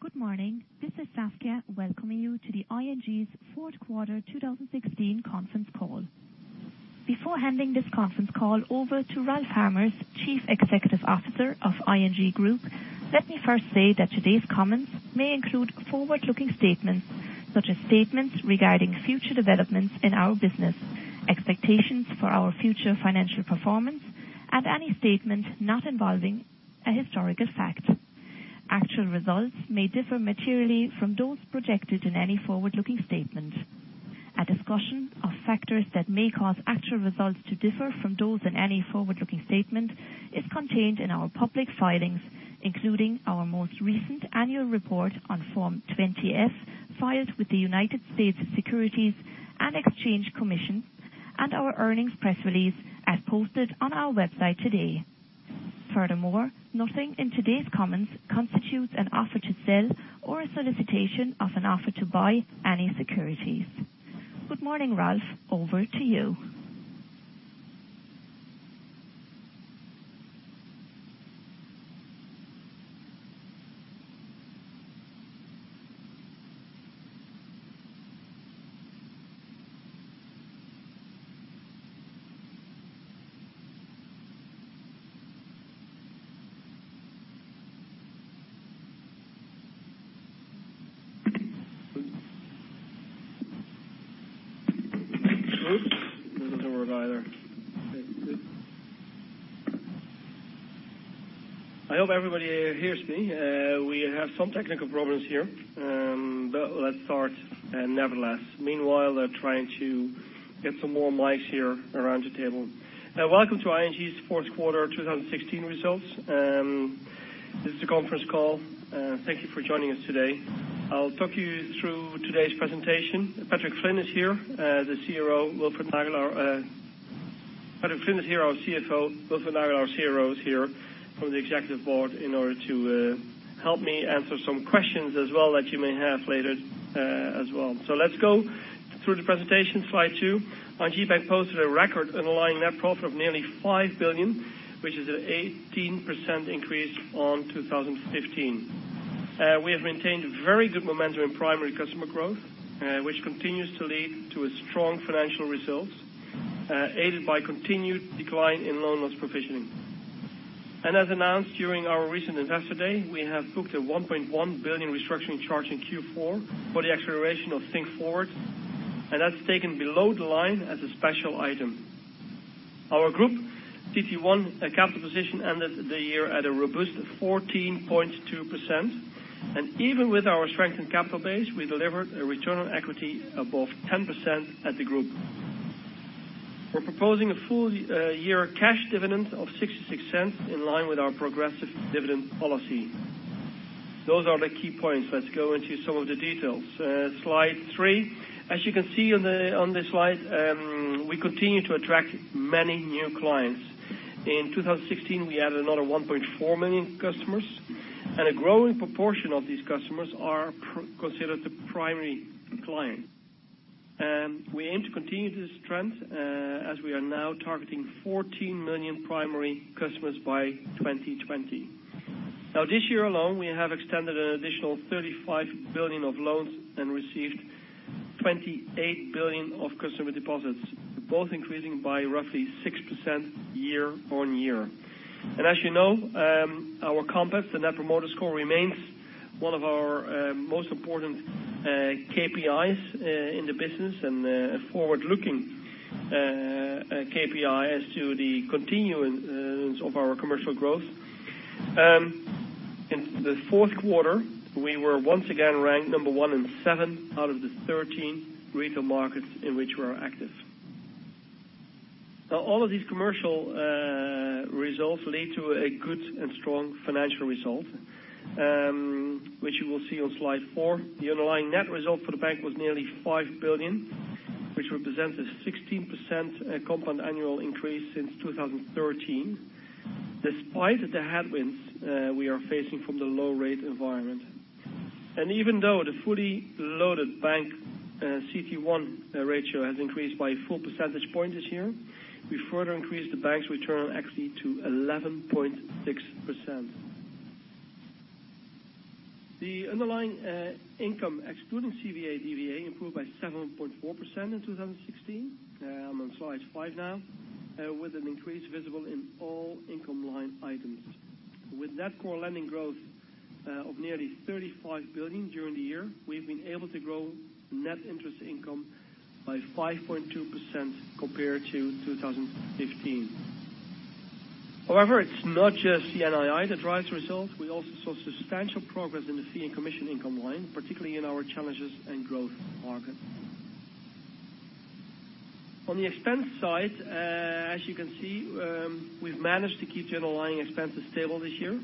Good morning. This is Saskia welcoming you to ING's fourth quarter 2016 conference call. Before handing this conference call over to Ralph Hamers, Chief Executive Officer of ING Groep, let me first say that today's comments may include forward-looking statements, such as statements regarding future developments in our business, expectations for our future financial performance, and any statement not involving a historical fact. Actual results may differ materially from those projected in any forward-looking statement. A discussion of factors that may cause actual results to differ from those in any forward-looking statement is contained in our public filings, including our most recent annual report on Form 20-F filed with the United States Securities and Exchange Commission and our earnings press release as posted on our website today. Nothing in today's comments constitutes an offer to sell or a solicitation of an offer to buy any securities. Good morning, Ralph. Over to you. It doesn't work either. I hope everybody hears me. We have some technical problems here, let's start nevertheless. Meanwhile, they're trying to get some more mics here around the table. Welcome to ING's fourth quarter 2016 results. This is the conference call. Thank you for joining us today. I'll talk you through today's presentation. Patrick Flynn is here, our CFO. Wilfred Nagel, our CRO, is here from the Executive Board in order to help me answer some questions as well that you may have later. Let's go through the presentation, slide two. ING Bank posted a record underlying net profit of nearly 5 billion, which is an 18% increase on 2015. We have maintained very good momentum in primary customer growth, which continues to lead to a strong financial result, aided by continued decline in loan loss provisioning. As announced during our recent Capital Markets Day, we have booked a 1.1 billion restructuring charge in Q4 for the acceleration of Think Forward, that's taken below the line as a special item. Our Group CT1 capital position ended the year at a robust 14.2%. Even with our strengthened capital base, we delivered a return on equity above 10% at the group. We're proposing a full year cash dividend of 0.66 in line with our progressive dividend policy. Those are the key points. Let's go into some of the details. Slide three. As you can see on this slide, we continue to attract many new clients. In 2016, we added another 1.4 million customers, a growing proportion of these customers are considered a primary client. We aim to continue this trend, as we are now targeting 14 million primary customers by 2020. This year alone, we have extended an additional 35 billion of loans and received 28 billion of customer deposits, both increasing by roughly 6% year-over-year. As you know, our compass, the net promoter score, remains one of our most important KPIs in the business and a forward-looking KPI as to the continuance of our commercial growth. In the fourth quarter, we were once again ranked number one in seven out of the 13 retail markets in which we are active. All of these commercial results lead to a good and strong financial result, which you will see on slide four. The underlying net result for the bank was nearly 5 billion, which represents a 16% compound annual increase since 2013, despite the headwinds we are facing from the low rate environment. Even though the fully loaded bank CT1 ratio has increased by four percentage points this year, we further increased the bank's return on equity to 11.6%. The underlying income, excluding CVA/DVA, improved by 7.4% in 2016, on slide five now, with an increase visible in all income line items. With net core lending growth of nearly 35 billion during the year, we've been able to grow net interest income by 5.2% compared to 2015. However, it's not just the NII that drives results. We also saw substantial progress in the fee and commission income line, particularly in our challenges and growth markets. On the expense side, as you can see, we've managed to keep the underlying expenses stable this year.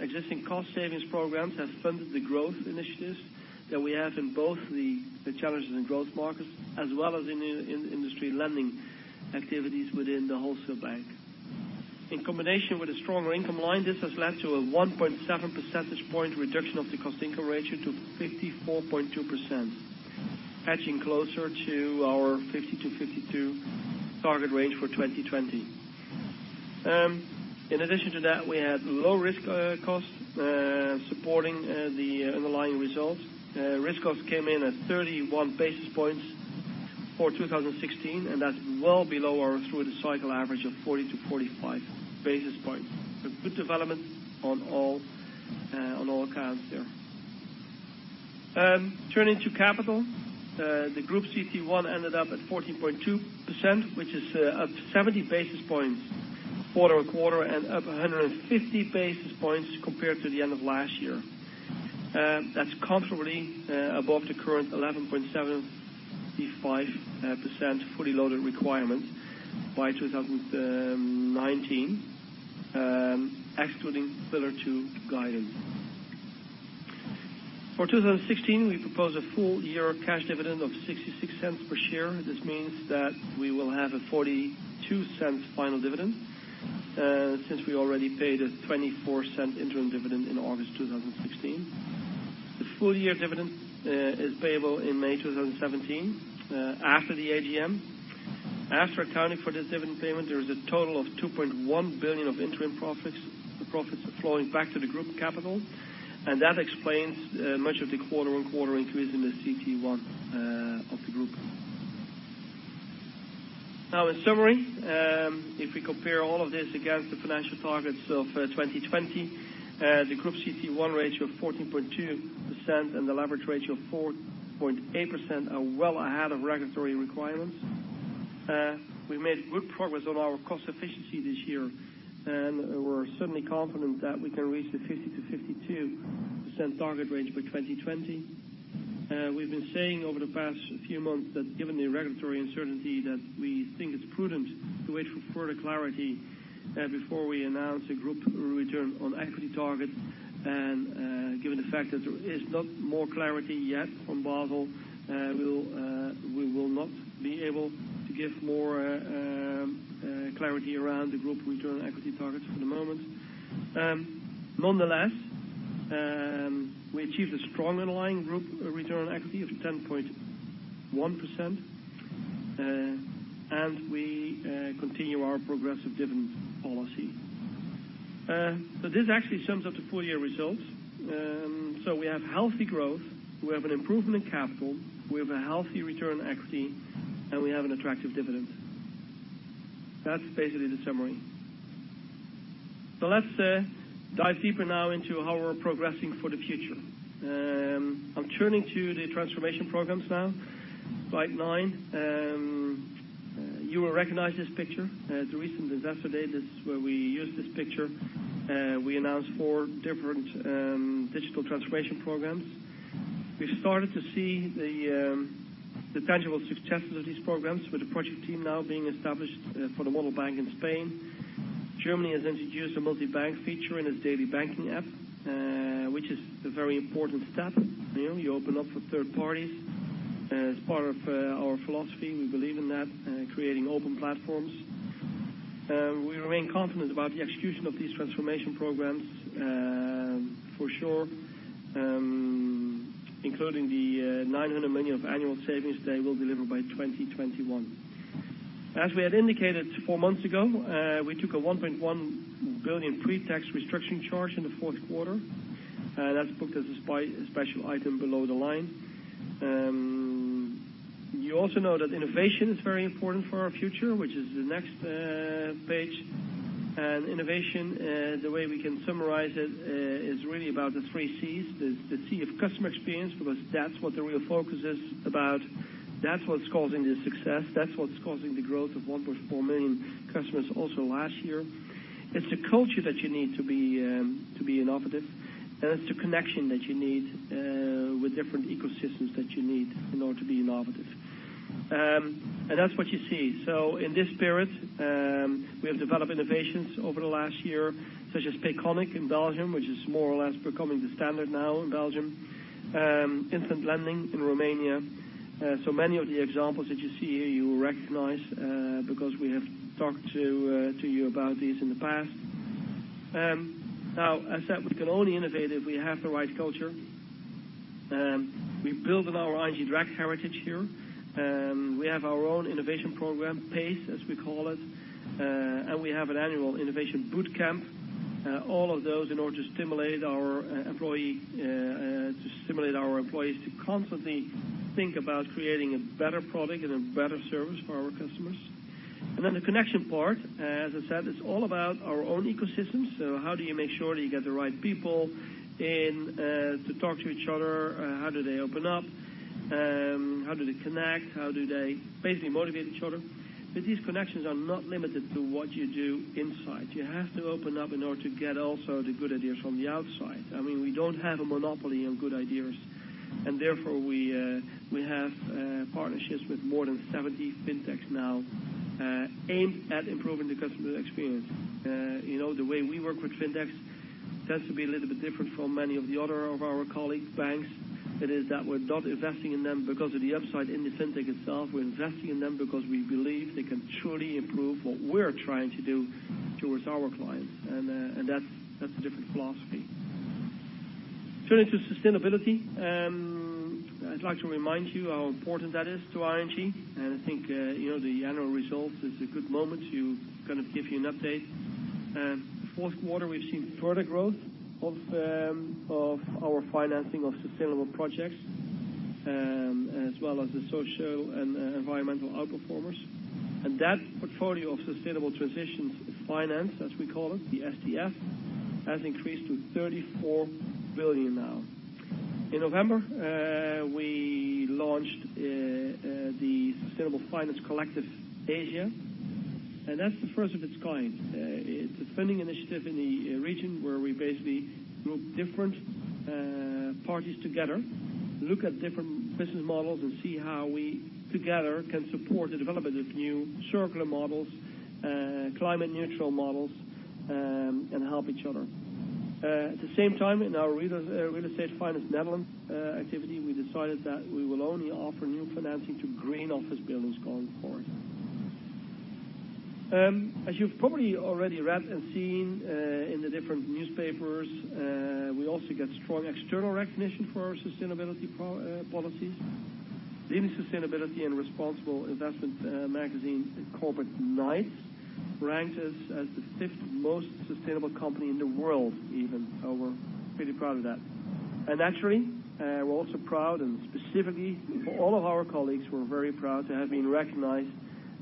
Existing cost savings programs have funded the growth initiatives that we have in both the challenges and growth markets, as well as in industry lending activities within the Wholesale Bank. In combination with a stronger income line, this has led to a 1.7 percentage point reduction of the cost-income ratio to 54.2%. Edging closer to our 50-52 target range for 2020. In addition to that, we had low risk costs supporting the underlying results. Risk costs came in at 31 basis points for 2016, and that's well below our through-the-cycle average of 40-45 basis points. Good development on all accounts there. Turning to capital. The Group CT1 ended up at 14.2%, which is up 70 basis points quarter-over-quarter, and up 150 basis points compared to the end of last year. That's comfortably above the current 11.75% fully loaded requirement by 2019, excluding Pillar 2 guidance. For 2016, we propose a full-year cash dividend of 0.66 per share. This means that we will have a 0.42 final dividend, since we already paid a 0.24 interim dividend in August 2016. The full-year dividend is payable in May 2017, after the AGM. After accounting for this dividend payment, there is a total of 2.1 billion of interim profits flowing back to the Group capital, and that explains much of the quarter-over-quarter increase in the CT1 of the Group. In summary, if we compare all of this against the financial targets of 2020, the Group CT1 ratio of 14.2% and the leverage ratio of 4.8% are well ahead of regulatory requirements. We made good progress on our cost efficiency this year, we're certainly confident that we can reach the 50%-52% target range by 2020. We've been saying over the past few months that given the regulatory uncertainty, that we think it's prudent to wait for further clarity before we announce a Group return on equity target. Given the fact that there is not more clarity yet on Basel, we will not be able to give more clarity around the Group return on equity targets for the moment. Nonetheless, we achieved a strong underlying Group return on equity of 10.1%, and we continue our progressive dividend policy. This actually sums up the full-year results. We have healthy growth, we have an improvement in capital, we have a healthy return on equity, and we have an attractive dividend. That's basically the summary. Let's dive deeper now into how we're progressing for the future. I'm turning to the transformation programs now. Slide nine. You will recognize this picture. At the recent investor day, this is where we used this picture. We announced four different digital transformation programs. We've started to see the tangible successes of these programs, with the project team now being established for the model bank in Spain. Germany has introduced a multibank feature in its daily banking app, which is a very important step. You open up for third parties. It's part of our philosophy. We believe in that, creating open platforms. We remain confident about the execution of these transformation programs for sure, including the 900 million of annual savings they will deliver by 2021. As we had indicated four months ago, we took a 1.1 billion pre-tax restructuring charge in the fourth quarter. That's booked as a special item below the line. You also know that innovation is very important for our future, which is the next page. Innovation, the way we can summarize it, is really about the three Cs. The C of customer experience, because that's what the real focus is about. That's what's causing the success, that's what's causing the growth of 1.4 million customers also last year. It's the culture that you need to be innovative, and it's the connection that you need with different ecosystems that you need in order to be innovative. That's what you see. In this spirit, we have developed innovations over the last year, such as Payconiq in Belgium, which is more or less becoming the standard now in Belgium. Instant lending in Romania. Many of the examples that you see here you will recognize, because we have talked to you about these in the past. Now, as said, we can only innovate if we have the right culture. We build on our ING Direct heritage here. We have our own innovation program, PACE, as we call it, and we have an annual innovation boot camp. All of those in order to stimulate our employees to constantly think about creating a better product and a better service for our customers. Then the connection part, as I said, it's all about our own ecosystems. How do you make sure that you get the right people in to talk to each other? How do they open up? How do they connect? How do they basically motivate each other? These connections are not limited to what you do inside. You have to open up in order to get also the good ideas from the outside. We don't have a monopoly on good ideas, therefore, we have partnerships with more than 70 fintechs now, aimed at improving the customer experience. The way we work with fintechs tends to be a little bit different from many of the other of our colleague banks. It is that we're not investing in them because of the upside in the fintech itself. We're investing in them because we believe they can truly improve what we're trying to do towards our clients. That's a different philosophy. Turning to sustainability. I'd like to remind you how important that is to ING, I think the annual results is a good moment to give you an update. Fourth quarter, we've seen further growth of our financing of sustainable projects, as well as the social and environmental out-performers. That portfolio of Sustainable Transitions Finance, as we call it, the STF, has increased to EUR 34 billion now. In November, we launched the Sustainable Finance Collective, Asia, that's the first of its kind. It's a funding initiative in the region where we basically group different parties together, look at different business models, see how we, together, can support the development of new circular models, climate neutral models, help each other. At the same time, in our real estate finance Netherlands activity, we decided that we will only offer new financing to green office buildings going forward. As you've probably already read and seen in the different newspapers, we also get strong external recognition for our sustainability policies. Leading sustainability and responsible investment magazine, Corporate Knights, ranked us as the fifth most sustainable company in the world even. We're pretty proud of that. Actually, we're also proud, specifically for all of our colleagues, we're very proud to have been recognized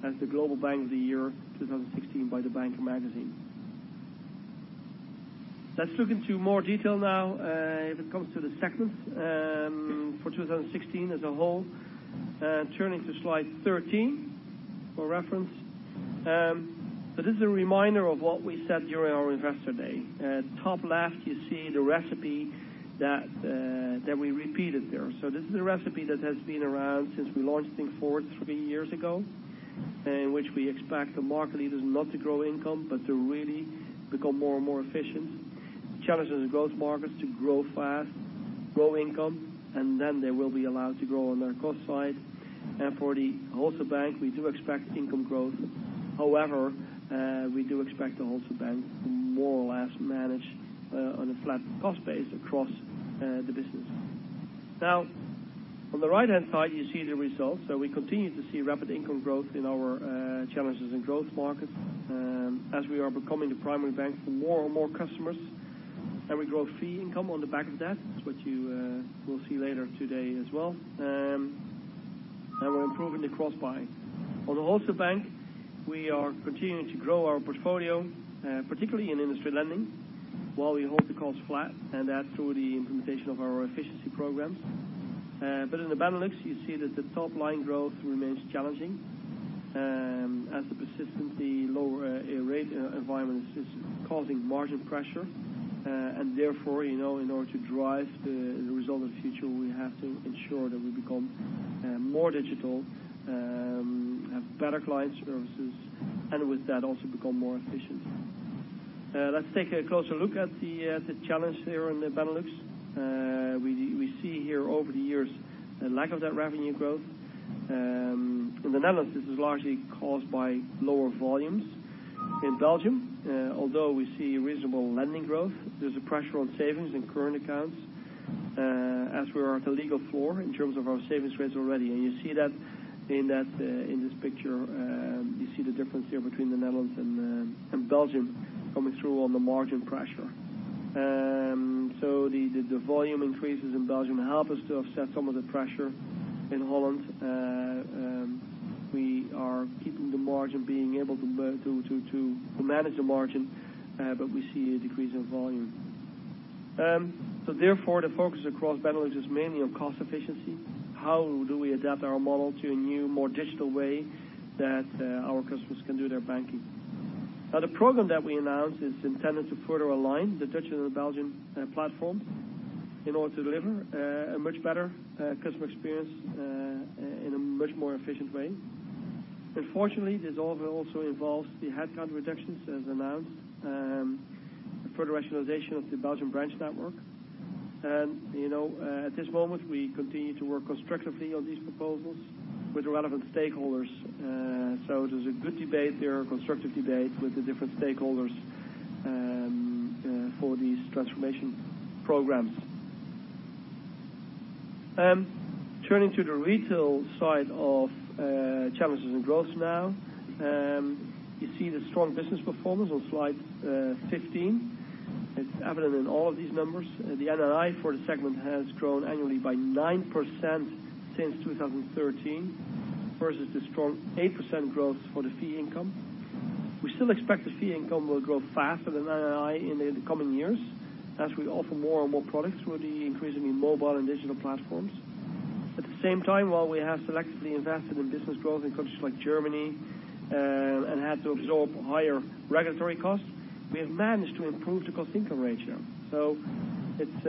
as the Global Bank of the Year 2016 by The Banker magazine. Let's look into more detail now, if it comes to the segments for 2016 as a whole. Turning to slide 13 for reference. This is a reminder of what we said during our investor day. At top left, you see the recipe that we repeated there. This is a recipe that has been around since we launched Think Forward three years ago, in which we expect the market leaders not to grow income, but to really become more and more efficient. Challenges in growth markets to grow fast, grow income, then they will be allowed to grow on their cost side. For the Wholesale Bank, we do expect income growth. However, we do expect the Wholesale Bank to more or less manage on a flat cost base across the business. Now, on the right-hand side, you see the results. We continue to see rapid income growth in our challenges in growth markets, as we are becoming the primary bank for more and more customers. We grow fee income on the back of that. That's what you will see later today as well. We're improving the cross-buy. On the Wholesale Bank, we are continuing to grow our portfolio, particularly in industry lending, while we hold the costs flat, that through the implementation of our efficiency programs. In the Benelux, you see that the top-line growth remains challenging, as the persistently lower rate environment is causing margin pressure. Therefore, in order to drive the result of the future, we have to ensure that we become more digital, have better client services, and with that, also become more efficient. Let's take a closer look at the challenge here in the Benelux. We see here over the years, a lack of that revenue growth. In the Netherlands, this is largely caused by lower volumes. In Belgium, although we see reasonable lending growth, there's a pressure on savings and current accounts, as we are at the legal floor in terms of our savings rates already. You see that in this picture. You see the difference here between the Netherlands and Belgium coming through on the margin pressure. The volume increases in Belgium help us to offset some of the pressure in Holland. We are keeping the margin, being able to manage the margin, but we see a decrease in volume. Therefore, the focus across Benelux is mainly on cost efficiency. How do we adapt our model to a new, more digital way that our customers can do their banking? The program that we announced is intended to further align the Dutch and the Belgian platforms in order to deliver a much better customer experience in a much more efficient way. Unfortunately, this also involves the headcount reductions as announced, further rationalization of the Belgian branch network. At this moment, we continue to work constructively on these proposals with the relevant stakeholders. There's a good debate there, a constructive debate with the different stakeholders for these transformation programs. Turning to the retail side of challenges and growth now. You see the strong business performance on slide 15. It's evident in all of these numbers. The NII for the segment has grown annually by 9% since 2013, versus the strong 8% growth for the fee income. We still expect the fee income will grow faster than NII in the coming years, as we offer more and more products through the increasingly mobile and digital platforms. At the same time, while we have selectively invested in business growth in countries like Germany, and had to absorb higher regulatory costs, we have managed to improve the cost-income ratio. It's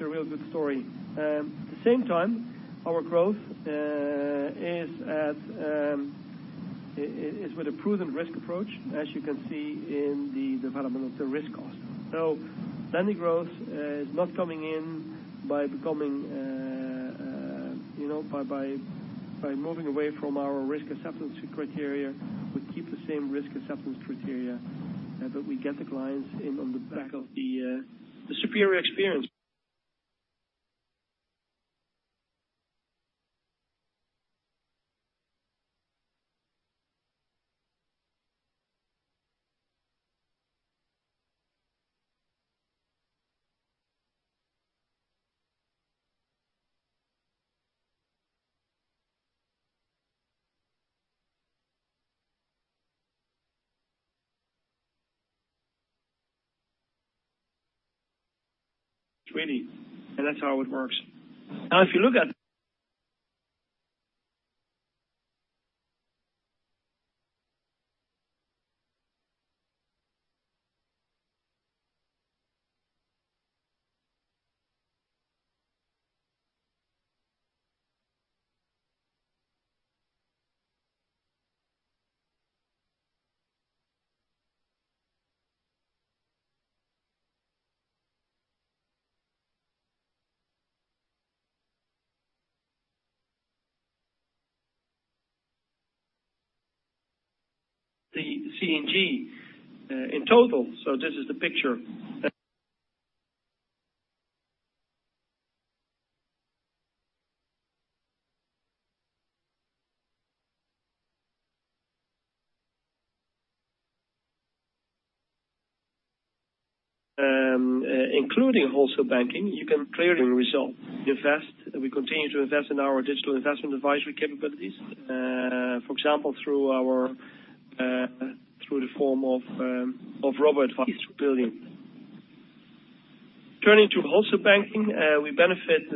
a real good story. At the same time, our growth is with a proven risk approach, as you can see in the development of the risk cost. Lending growth is not coming in by moving away from our risk acceptance criteria, we keep the same risk acceptance criteria, but we get the clients in on the back of the superior experience. That's how it works. If you look at ING in total. This is the picture Including Wholesale Banking, you can clearly result. We continue to invest in our digital investment advisory capabilities. For example, through the form of robo-advice building. Turning to Wholesale Banking, we benefited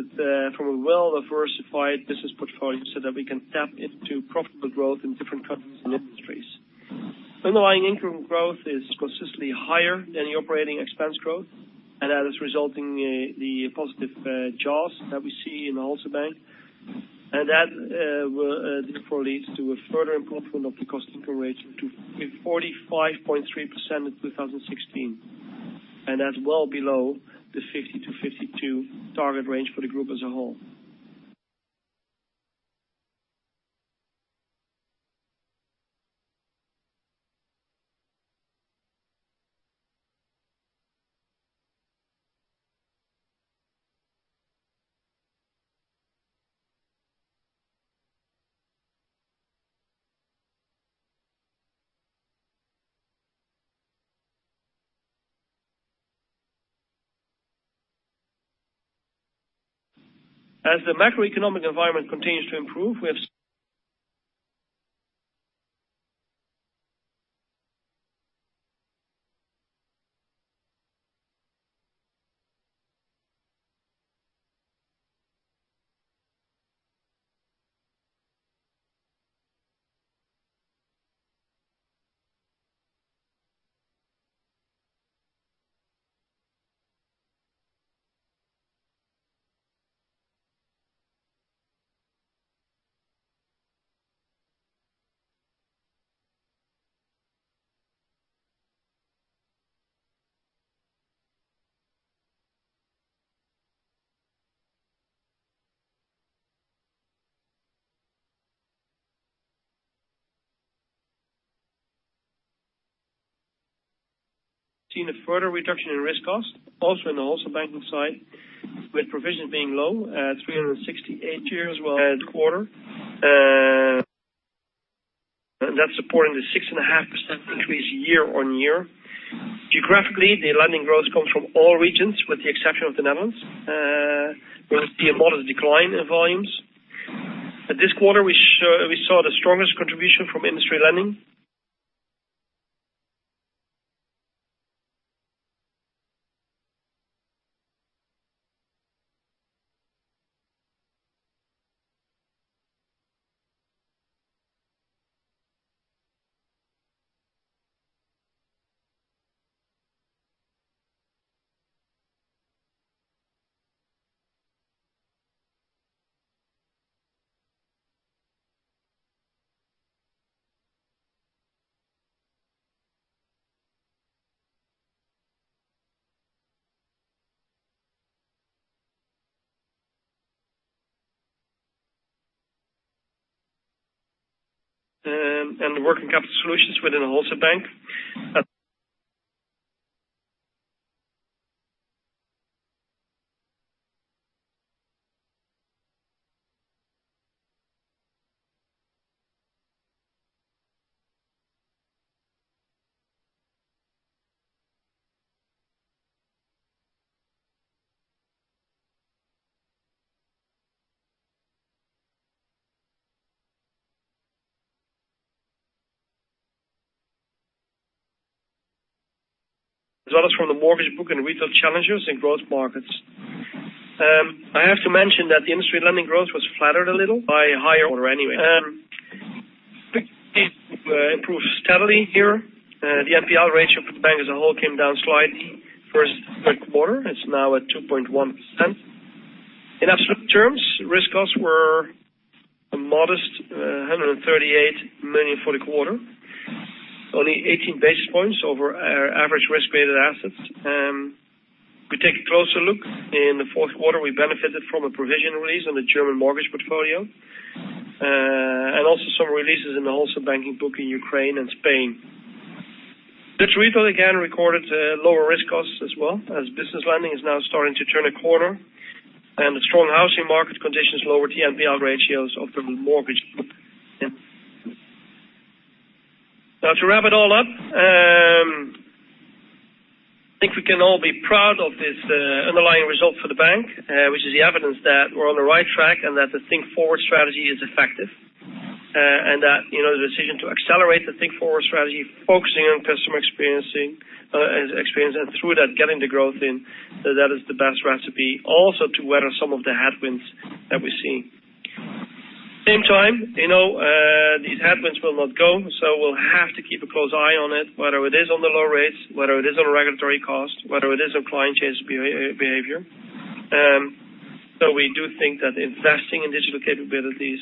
from a well-diversified business portfolio so that we can tap into profitable growth in different countries and industries. Underlying income growth is consistently higher than the operating expense growth, and that is resulting the positive jaws that we see in the Wholesale Bank. That therefore leads to a further improvement of the cost-income ratio to 45.3% in 2016. That's well below the 50-52 target range for the group as a whole. As the macroeconomic environment continues to improve, we have seen a further reduction in risk cost, also in the Wholesale Banking side, with provisions being low at 368 here as well. Third quarter. That's supporting the 6.5% increase year-on-year. Geographically, the lending growth comes from all regions, with the exception of the Netherlands, where we see a modest decline in volumes. This quarter, we saw the strongest contribution from industry lending and working capital solutions within the Wholesale Bank, as well as from the mortgage book and retail challenges in growth markets. I have to mention that the industry lending growth was flattered a little by higher order anyway. Improved steadily here. The NPL ratio for the bank as a whole came down slightly first quarter. It's now at 2.1%. In absolute terms, risk costs were a modest 138 million for the quarter. Only 18 basis points over our average risk-weighted assets. We take a closer look. In the fourth quarter, we benefited from a provision release on the German mortgage portfolio, and also some releases in the Wholesale Banking book in Ukraine and Spain. Retail, again, recorded lower risk costs as well as business lending is now starting to turn a quarter, and the strong housing market conditions lowered the NPL ratios of the mortgage book. To wrap it all up, I think we can all be proud of this underlying result for the bank, which is the evidence that we're on the right track and that the Think Forward strategy is effective. That the decision to accelerate the Think Forward strategy, focusing on customer experiencing, and experience and through that, getting the growth in, that is the best recipe also to weather some of the headwinds that we're seeing. Same time, these headwinds will not go, we'll have to keep a close eye on it, whether it is on the low rates, whether it is on regulatory cost, whether it is on client change behavior. We do think that investing in digital capabilities,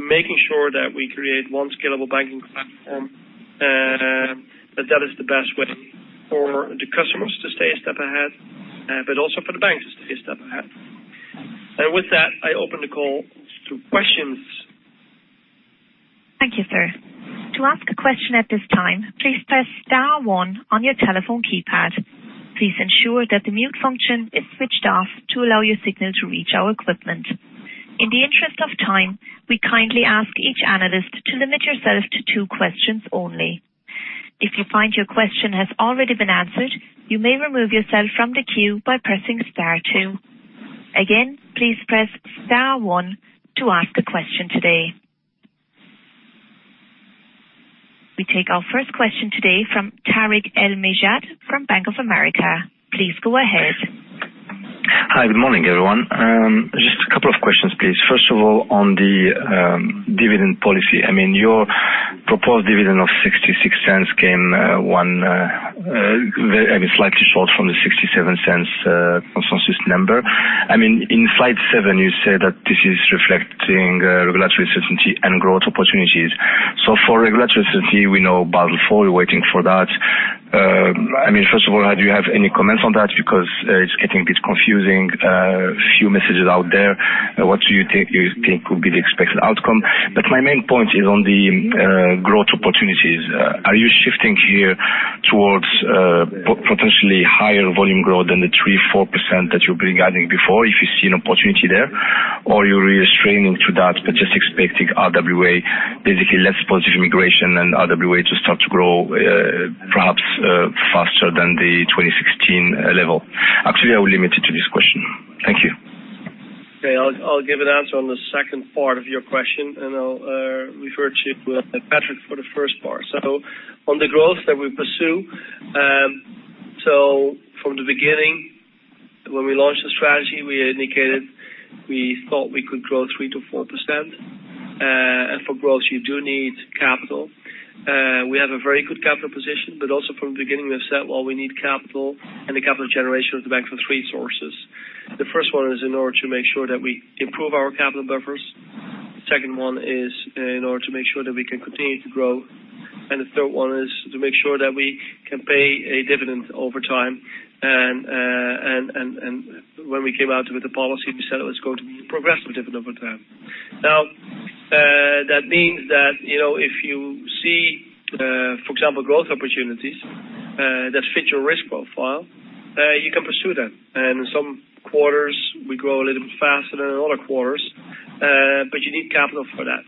making sure that we create one scalable banking platform, that is the best way for the customers to stay a step ahead, but also for the banks to stay a step ahead. With that, I open the call to questions. Thank you, sir. To ask a question at this time, please press star one on your telephone keypad. Please ensure that the mute function is switched off to allow your signal to reach our equipment. In the interest of time, we kindly ask each analyst to limit yourself to two questions only. If you find your question has already been answered, you may remove yourself from the queue by pressing star two. Again, please press star one to ask a question today. We take our first question today from Tarik El Mejjad from Bank of America. Please go ahead. Hi, good morning, everyone. Just a couple of questions, please. On the dividend policy. Your proposed dividend of 0.66 came slightly short from the 0.67 consensus number. In slide seven, you said that this is reflecting regulatory certainty and growth opportunities. For regulatory certainty, we know Basel IV, we're waiting for that. Do you have any comments on that because it's getting a bit confusing, a few messages out there. What do you think will be the expected outcome? My main point is on the growth opportunities. Are you shifting here towards potentially higher volume growth than the 3%-4% that you've been guiding before, if you see an opportunity there? You're really straining to that, but just expecting RWA, basically less positive migration and RWA to start to grow perhaps faster than the 2016 level. Actually, I will limit it to this question. Thank you. Okay, I'll give an answer on the second part of your question, and I'll refer to Patrick for the first part. On the growth that we pursue. From the beginning, when we launched the strategy, we indicated we thought we could grow 3%-4%. For growth, you do need capital. We have a very good capital position, also from the beginning, we've said, well, we need capital and the capital generation of the bank from three sources. The first one is in order to make sure that we improve our capital buffers. The second one is in order to make sure that we can continue to grow. The third one is to make sure that we can pay a dividend over time. When we came out with the policy, we said it was going to be progressive dividend over time. That means that if you see, for example, growth opportunities that fit your risk profile, you can pursue that. In some quarters, we grow a little bit faster than in other quarters, you need capital for that.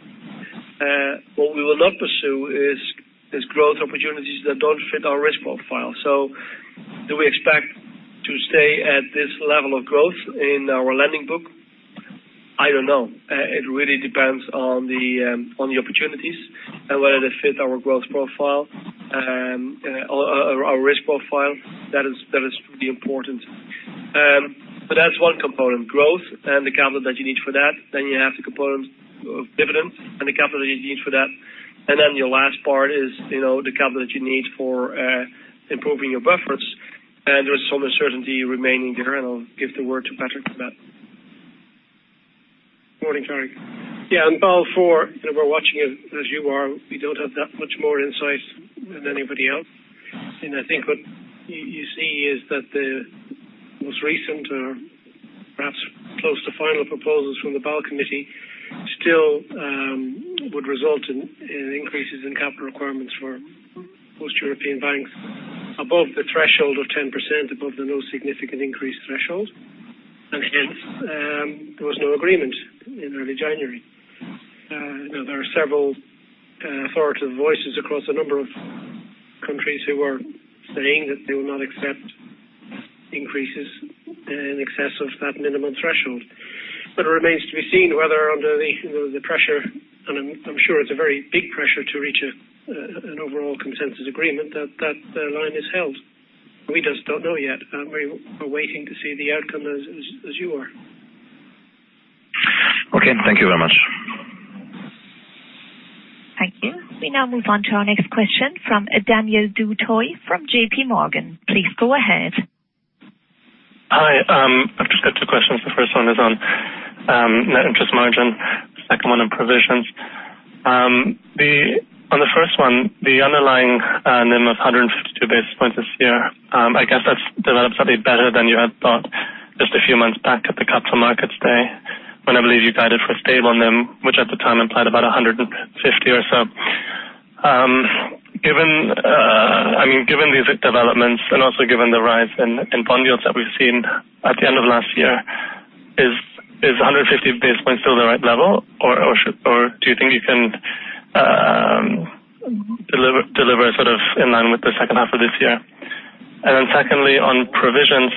What we will not pursue is growth opportunities that don't fit our risk profile. Do we expect to stay at this level of growth in our lending book? I don't know. It really depends on the opportunities and whether they fit our growth profile, our risk profile. That is the important. That's one component, growth and the capital that you need for that. You have the component of dividends and the capital that you need for that. Your last part is the capital that you need for improving your buffers. There's some uncertainty remaining there, and I'll give the word to Patrick for that. Morning, Tariq. Yeah, in Basel IV, we're watching it as you are. We don't have that much more insight than anybody else. I think what you see is that the most recent or perhaps close to final proposals from the Basel Committee still would result in increases in capital requirements for most European banks above the threshold of 10%, above the no significant increase threshold. Hence, there was no agreement in early January. There are several authoritative voices across a number of countries who are saying that they will not accept increases in excess of that minimum threshold. It remains to be seen whether under the pressure, and I'm sure it's a very big pressure to reach an overall consensus agreement, that that line is held. We just don't know yet. We're waiting to see the outcome as you are. Okay. Thank you very much. Thank you. We now move on to our next question from Daniel Du Toit from J.P. Morgan. Please go ahead. Hi. I've just got two questions. The first one is on net interest margin, second one on provisions. On the first one, the underlying NIM of 152 basis points this year, I guess that's developed something better than you had thought just a few months back at the Capital Markets Day, when I believe you guided for stable NIM, which at the time implied about 150 or so. Given these developments and also given the rise in bond yields that we've seen at the end of last year, is 150 basis points still the right level, or do you think you can deliver sort of in line with the second half of this year? Then secondly, on provisions,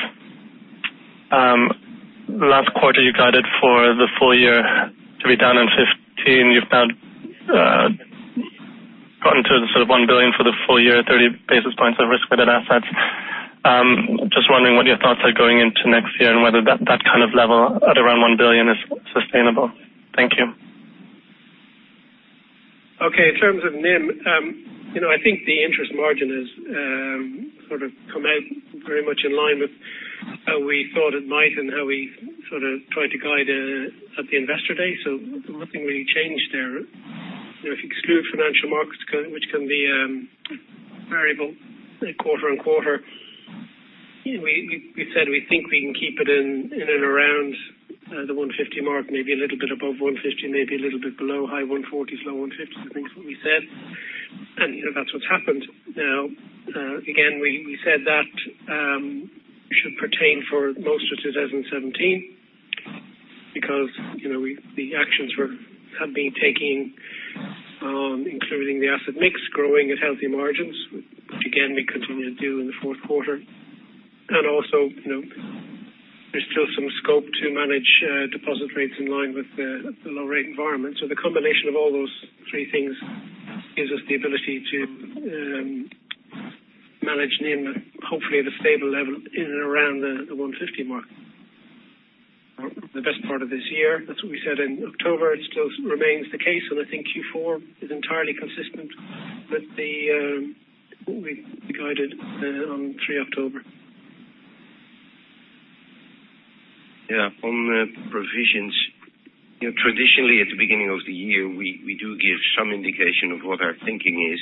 last quarter you guided for the full year to be down in 15. You've now gotten to the sort of 1 billion for the full year, 30 basis points of risk-weighted assets. Just wondering what your thoughts are going into next year and whether that kind of level at around 1 billion is sustainable. Thank you. Okay, in terms of NIM, I think the interest margin has sort of come out very much in line with how we thought it might and how we sort of tried to guide at the investor day. Nothing really changed there. If you exclude financial markets, which can be variable quarter-on-quarter, we said we think we can keep it in and around the 150 mark, maybe a little bit above 150, maybe a little bit below high 140s, low 150s, I think is what we said. That's what's happened. Again, we said that should pertain for most of 2017 because the actions have been taking, including the asset mix growing at healthy margins, which again, we continue to do in the fourth quarter. Also, there's still some scope to manage deposit rates in line with the low rate environment. The combination of all those three things gives us the ability to manage NIM, hopefully at a stable level in and around the 150 mark. The best part of this year, that's what we said in October, it still remains the case, and I think Q4 is entirely consistent with what we guided on 3 October. Yeah. On the provisions, traditionally at the beginning of the year, we do give some indication of what our thinking is.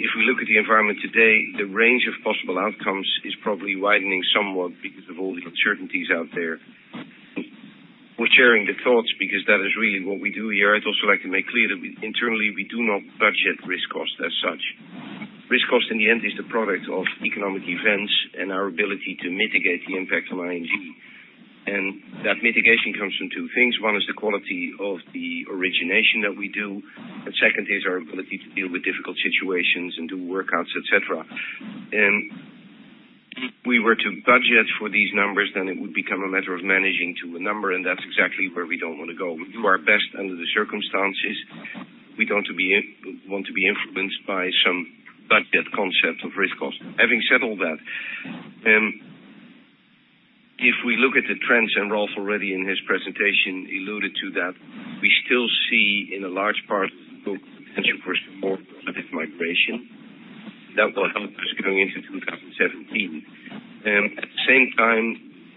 If we look at the environment today, the range of possible outcomes is probably widening somewhat because of all the uncertainties out there. We're sharing the thoughts because that is really what we do here. I'd also like to make clear that internally, we do not budget risk cost as such. Risk cost, in the end, is the product of economic events and our ability to mitigate the impact on ING. That mitigation comes from two things. One is the quality of the origination that we do, and second is our ability to deal with difficult situations and do work outs, et cetera. If we were to budget for these numbers, then it would become a matter of managing to a number. That's exactly where we don't want to go. We do our best under the circumstances. We don't want to be influenced by some budget concept of risk cost. Having said all that, if we look at the trends, Ralph already in his presentation alluded to that, we still see in a large part of the book, potential for support of that migration. That will help us going into 2017. At the same time,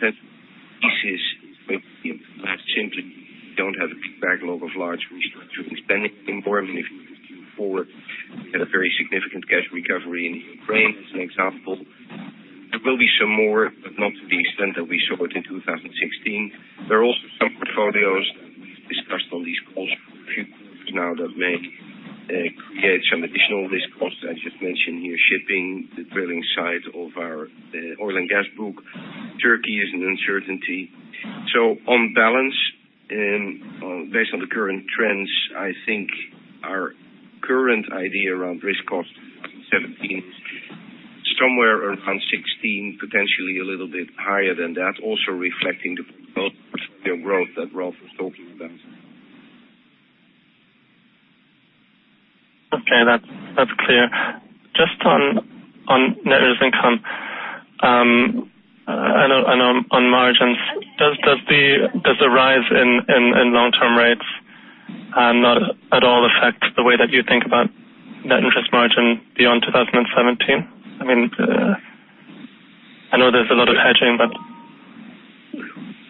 that piece is simply don't have a big backlog of large restructuring spending anymore. If you look forward, we had a very significant cash recovery in Ukraine as an example. There will be some more, not to the extent that we saw it in 2016. There are also some portfolios that we've discussed on these calls for a few quarters now that may create some additional risk costs. I just mentioned here shipping, the drilling side of our oil and gas book. Turkey is an uncertainty. On balance, based on the current trends, I think our current idea around risk cost for 2017 is somewhere around 16, potentially a little bit higher than that, also reflecting the growth that Ralph was talking about. Okay. That's clear. Just on net interest income, on margins, does the rise in long-term rates not at all affect the way that you think about net interest margin beyond 2017? I know there's a lot of hedging.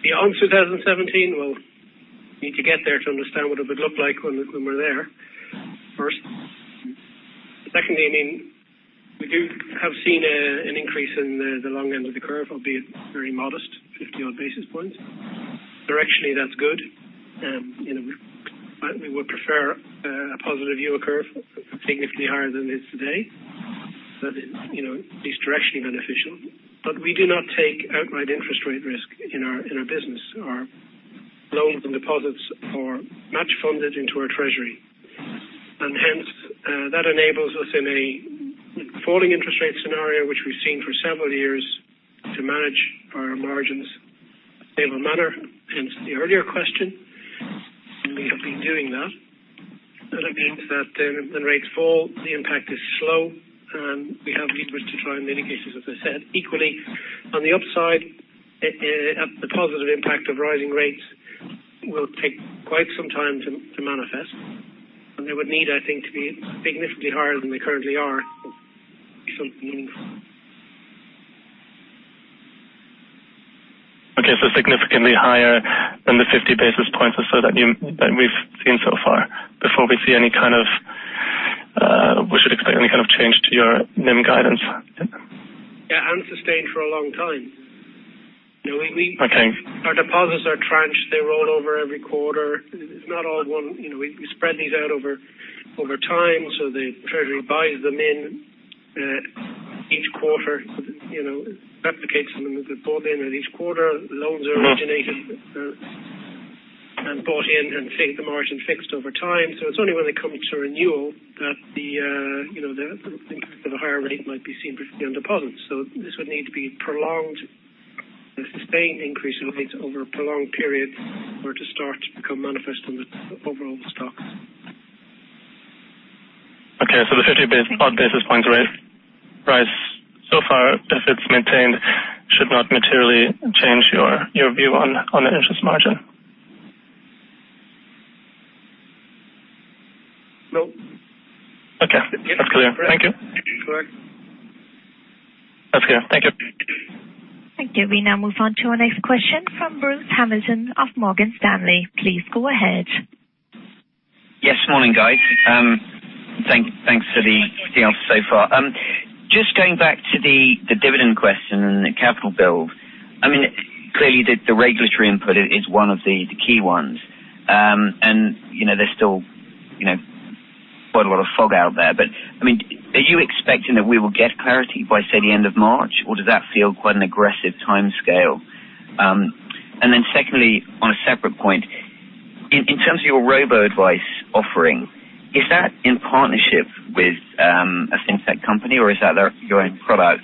Beyond 2017, we'll need to get there to understand what it would look like when we're there, first. Secondly, we do have seen an increase in the long end of the curve, albeit very modest, 50 odd basis points. Directionally, that's good. We would prefer a positive yield curve, significantly higher than it is today. That is directionally beneficial. We do not take outright interest rate risk in our business. Our loans and deposits are match funded into our treasury. Hence, that enables us in a falling interest rate scenario, which we've seen for several years, to manage our margins in a stable manner, hence the earlier question. We have been doing that. Equally, on the upside, the positive impact of rising rates will take quite some time to manifest. They would need, I think, to be significantly higher than they currently are to be something meaningful. Okay. Significantly higher than the 50 basis points or so that we've seen so far before we should expect any kind of change to your NIM guidance? Yeah, sustained for a long time. Okay. Our deposits are tranched. They roll over every quarter. We spread these out over time, so the Treasury buys them in each quarter, replicates them as they're bought in, and each quarter loans are originated and bought in and the margin fixed over time. It's only when they come to renewal that the higher rate might be seen particularly on deposits. This would need to be a sustained increase in rates over a prolonged period for it to start to become manifest in the overall stocks. Okay. The 50 odd basis points rate rise so far, if it is maintained, should not materially change your view on the interest margin? No. Okay. That is clear. Thank you. Correct. That is clear. Thank you. Thank you. We now move on to our next question from Bruce Hamilton of Morgan Stanley. Please go ahead. Yes, morning, guys. Thanks for the update so far. Just going back to the dividend question and the capital build. Clearly, the regulatory input is one of the key ones. There is still quite a lot of fog out there, but are you expecting that we will get clarity by, say, the end of March, or does that feel quite an aggressive timescale? Secondly, on a separate point, in terms of your robo-advice offering, is that in partnership with a fintech company, or is that your own product?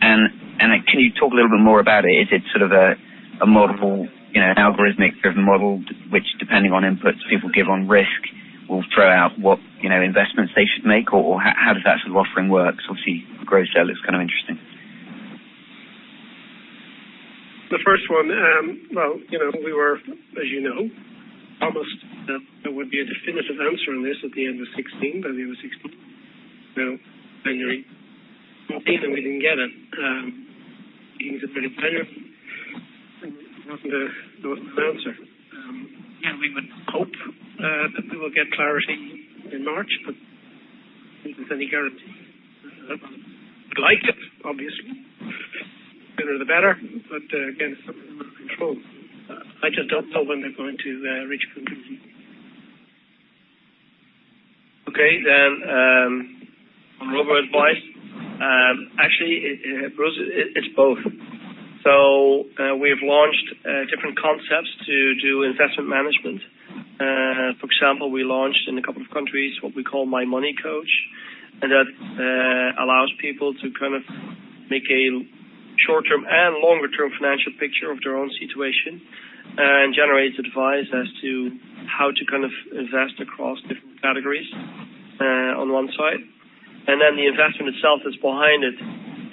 Can you talk a little bit more about it? Is it sort of an algorithmic driven model, which depending on inputs people give on risk, will throw out what investments they should make, or how does that sort of offering work? Obviously, gross sale is kind of interesting. The first one, well, we were, as you know, promised that there would be a definitive answer on this at the end of 2016. January came, we didn't get it. ING's a British bank, there wasn't an answer. We would hope that we will get clarity in March, nothing's any guarantee. We would like it, obviously. The sooner the better, again, it's something we cannot control. I just don't know when they're going to reach a conclusion. Okay, on robo-advice. Actually, Bruce, it's both. We've launched different concepts to do investment management. For example, we launched in a couple of countries what we call My Money Coach, and that allows people to make a short-term and longer-term financial picture of their own situation, and generates advice as to how to invest across different categories on one side. The investment itself that's behind it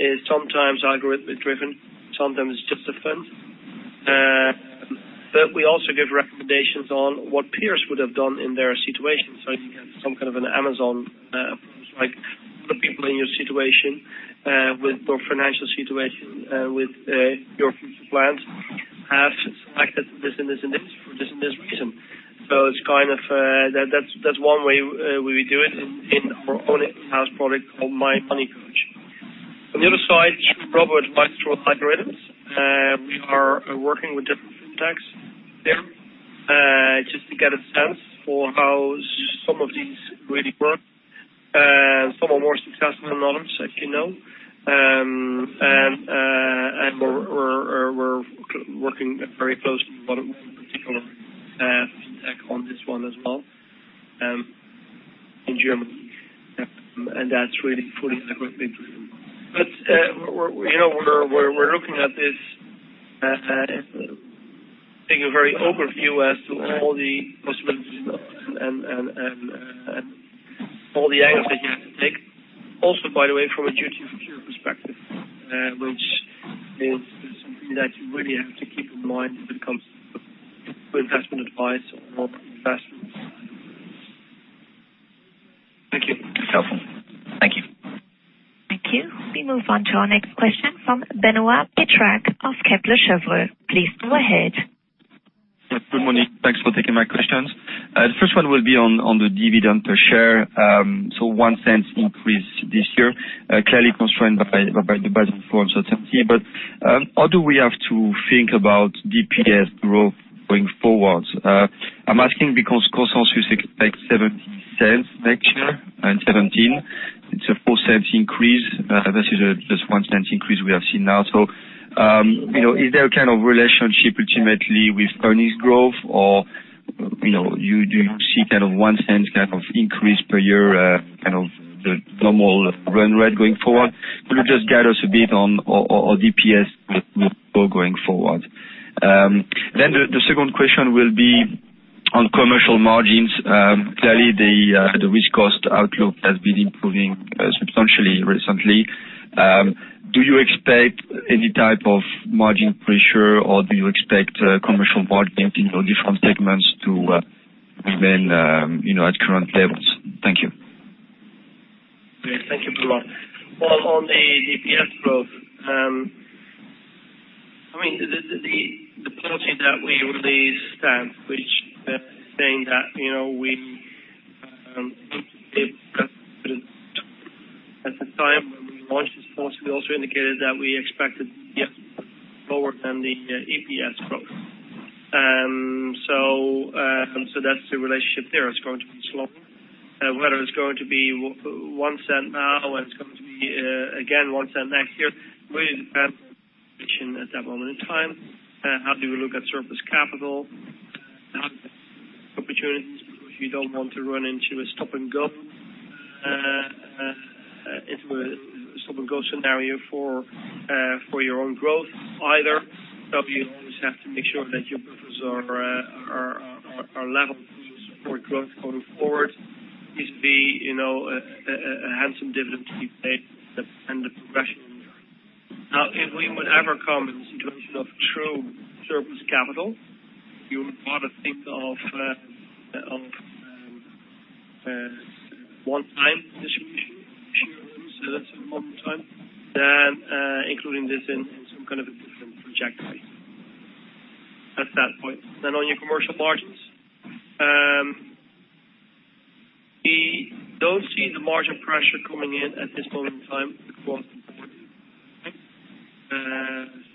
is sometimes algorithmic driven, sometimes it's just a fund. We also give recommendations on what peers would have done in their situation. You can get some kind of an Amazon approach, like other people in your situation, with your financial situation, with your future plans, have selected this and this and this for this and this reason. That's one way we do it in our own in-house product called My Money Coach. On the other side, robo-advice through algorithms. We are working with different fintechs there, just to get a sense for how some of these really work. Some are more successful than others, as you know. We're working very closely with one particular fintech on this one as well in Germany. That's really fully algorithmic driven. We're looking at this, taking a very overview as to all the investments and all the angles that you have to take. Also, by the way, from a duty of care perspective, which is something that you really have to keep in mind when it comes to investment advice on investments. Thank you. That's helpful. Thank you. Thank you. We move on to our next question from Benoit Petrarque of Kepler Cheuvreux. Please go ahead. Good morning. Thanks for taking my questions. The first one will be on the dividend per share. One cent increase this year, clearly constrained by the Basel IV uncertainty. How do we have to think about DPS growth going forwards? I'm asking because consensus expects 0.17 next year, in 2017. It's a 0.04 increase versus just one cent increase we have seen now. Is there a kind of relationship ultimately with earnings growth, or do you see kind of one cent increase per year, kind of the normal run rate going forward? Could you just guide us a bit on DPS going forward? The second question will be on commercial margins. Clearly, the risk cost outlook has been improving substantially recently. Do you expect any type of margin pressure, or do you expect commercial margins in different segments to remain at current levels? Thank you. Thank you very much. On the EPS growth, the policy that we released stands, which is saying that at the time when we launched this policy, we also indicated that we expected lower than the EPS growth. That's the relationship there. It's going to be slower. Whether it's going to be one cent now and it's going to be, again, one cent next year, really depends on the position at that moment in time. How do we look at surplus capital? Opportunities, because you don't want to run into a stop-and-go scenario for your own growth, either. You always have to make sure that your profits are level for growth going forward is to have some dividends to be paid and the progression. Now, if we would ever come in a situation of true surplus capital, you would rather think of one-time distribution of shares. That's one time, then including this in some kind of a different trajectory at that point. On your commercial margins. We don't see the margin pressure coming in at this moment in time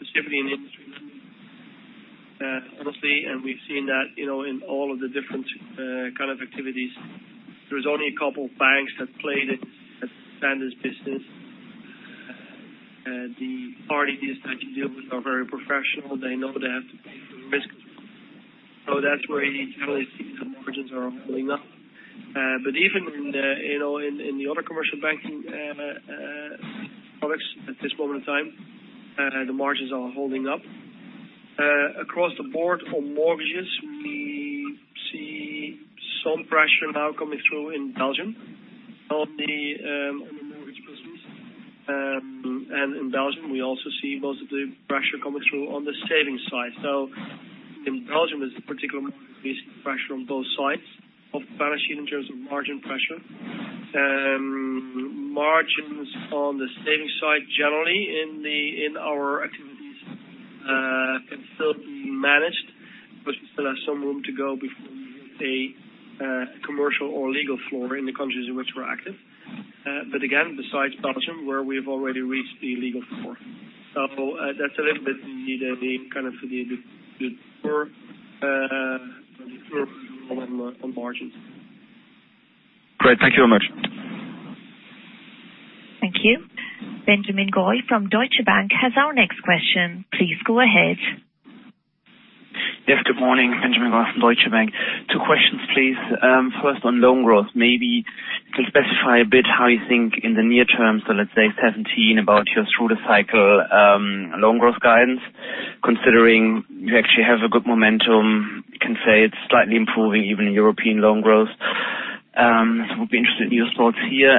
specifically in Wholesale Bank. Honestly, we've seen that in all of the different kind of activities. There's only a couple of banks that played it, that standard business. The parties that you deal with are very professional. They know they have to take the risk. That's where you generally see that margins are holding up. Even in the other commercial banking products at this moment in time, the margins are holding up. Across the board for mortgages, we see some pressure now coming through in Belgium on the mortgage business. In Belgium, we also see most of the pressure coming through on the savings side. In Belgium, there's a particular amount of pressure on both sides of the balance sheet in terms of margin pressure. Margins on the savings side, generally in our activities, can still be managed, but we still have some room to go before we hit a commercial or legal floor in the countries in which we're active. Again, besides Belgium, where we've already reached the legal floor. That's a little bit the on margins. Great. Thank you very much. Thank you. Benjamin Goy from Deutsche Bank has our next question. Please go ahead. Good morning, Benjamin Goy from Deutsche Bank. Two questions, please. First on loan growth, maybe to specify a bit how you think in the near term, so let's say 2017, about your through the cycle loan growth guidance, considering you actually have a good momentum, can say it's slightly improving even in European loan growth. Would be interested in your thoughts here.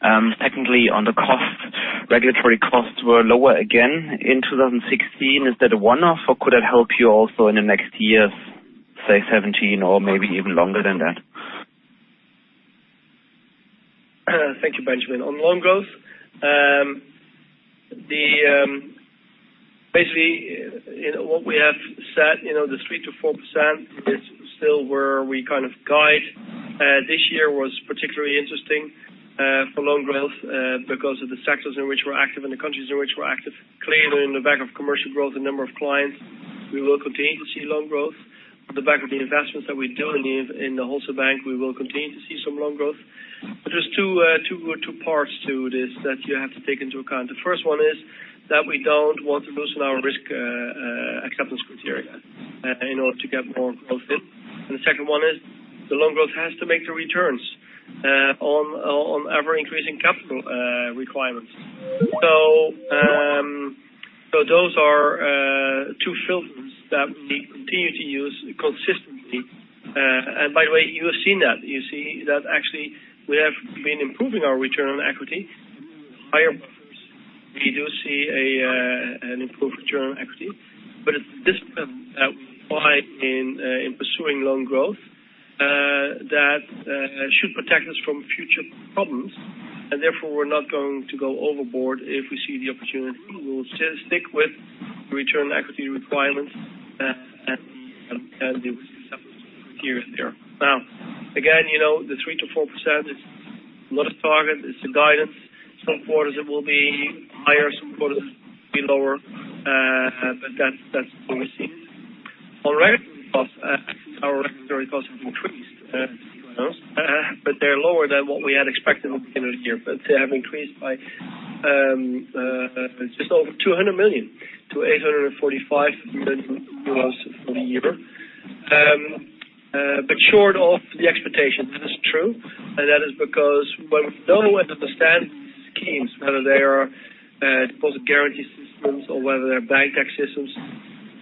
Secondly, on the costs. Regulatory costs were lower again in 2016. Is that a one-off, or could that help you also in the next years, say 2017 or maybe even longer than that? Thank you, Benjamin. On loan growth, basically, what we have said, the 3%-4% is still where we kind of guide. This year was particularly interesting for loan growth because of the sectors in which we're active and the countries in which we're active. Clearly, in the back of commercial growth, the number of clients, we will continue to see loan growth. On the back of the investments that we do in the Wholesale Bank, we will continue to see some loan growth. There's two parts to this that you have to take into account. The first one is that we don't want to loosen our risk acceptance criteria in order to get more growth in. The second one is the loan growth has to make the returns on ever-increasing capital requirements. Those are two filters that we continue to use consistently. By the way, you have seen that. You see that actually, we have been improving our return on equity. Higher buffers. We do see an improved return on equity, but it's discipline that we apply in pursuing loan growth that should protect us from future problems, and therefore, we're not going to go overboard if we see the opportunity. We will stick with return equity requirements and the acceptance criteria there. Now, again, the 3%-4% is not a target, it's a guidance. Some quarters it will be higher, some quarters it will be lower, but that's what we see. On regulatory costs, our regulatory costs have increased, but they're lower than what we had expected at the end of the year. They have increased by just over 200 million to 845 million euros for the year. Short of the expectations, that is true, and that is because when we know and understand schemes, whether they are deposit guarantee systems or whether they're bank tax systems,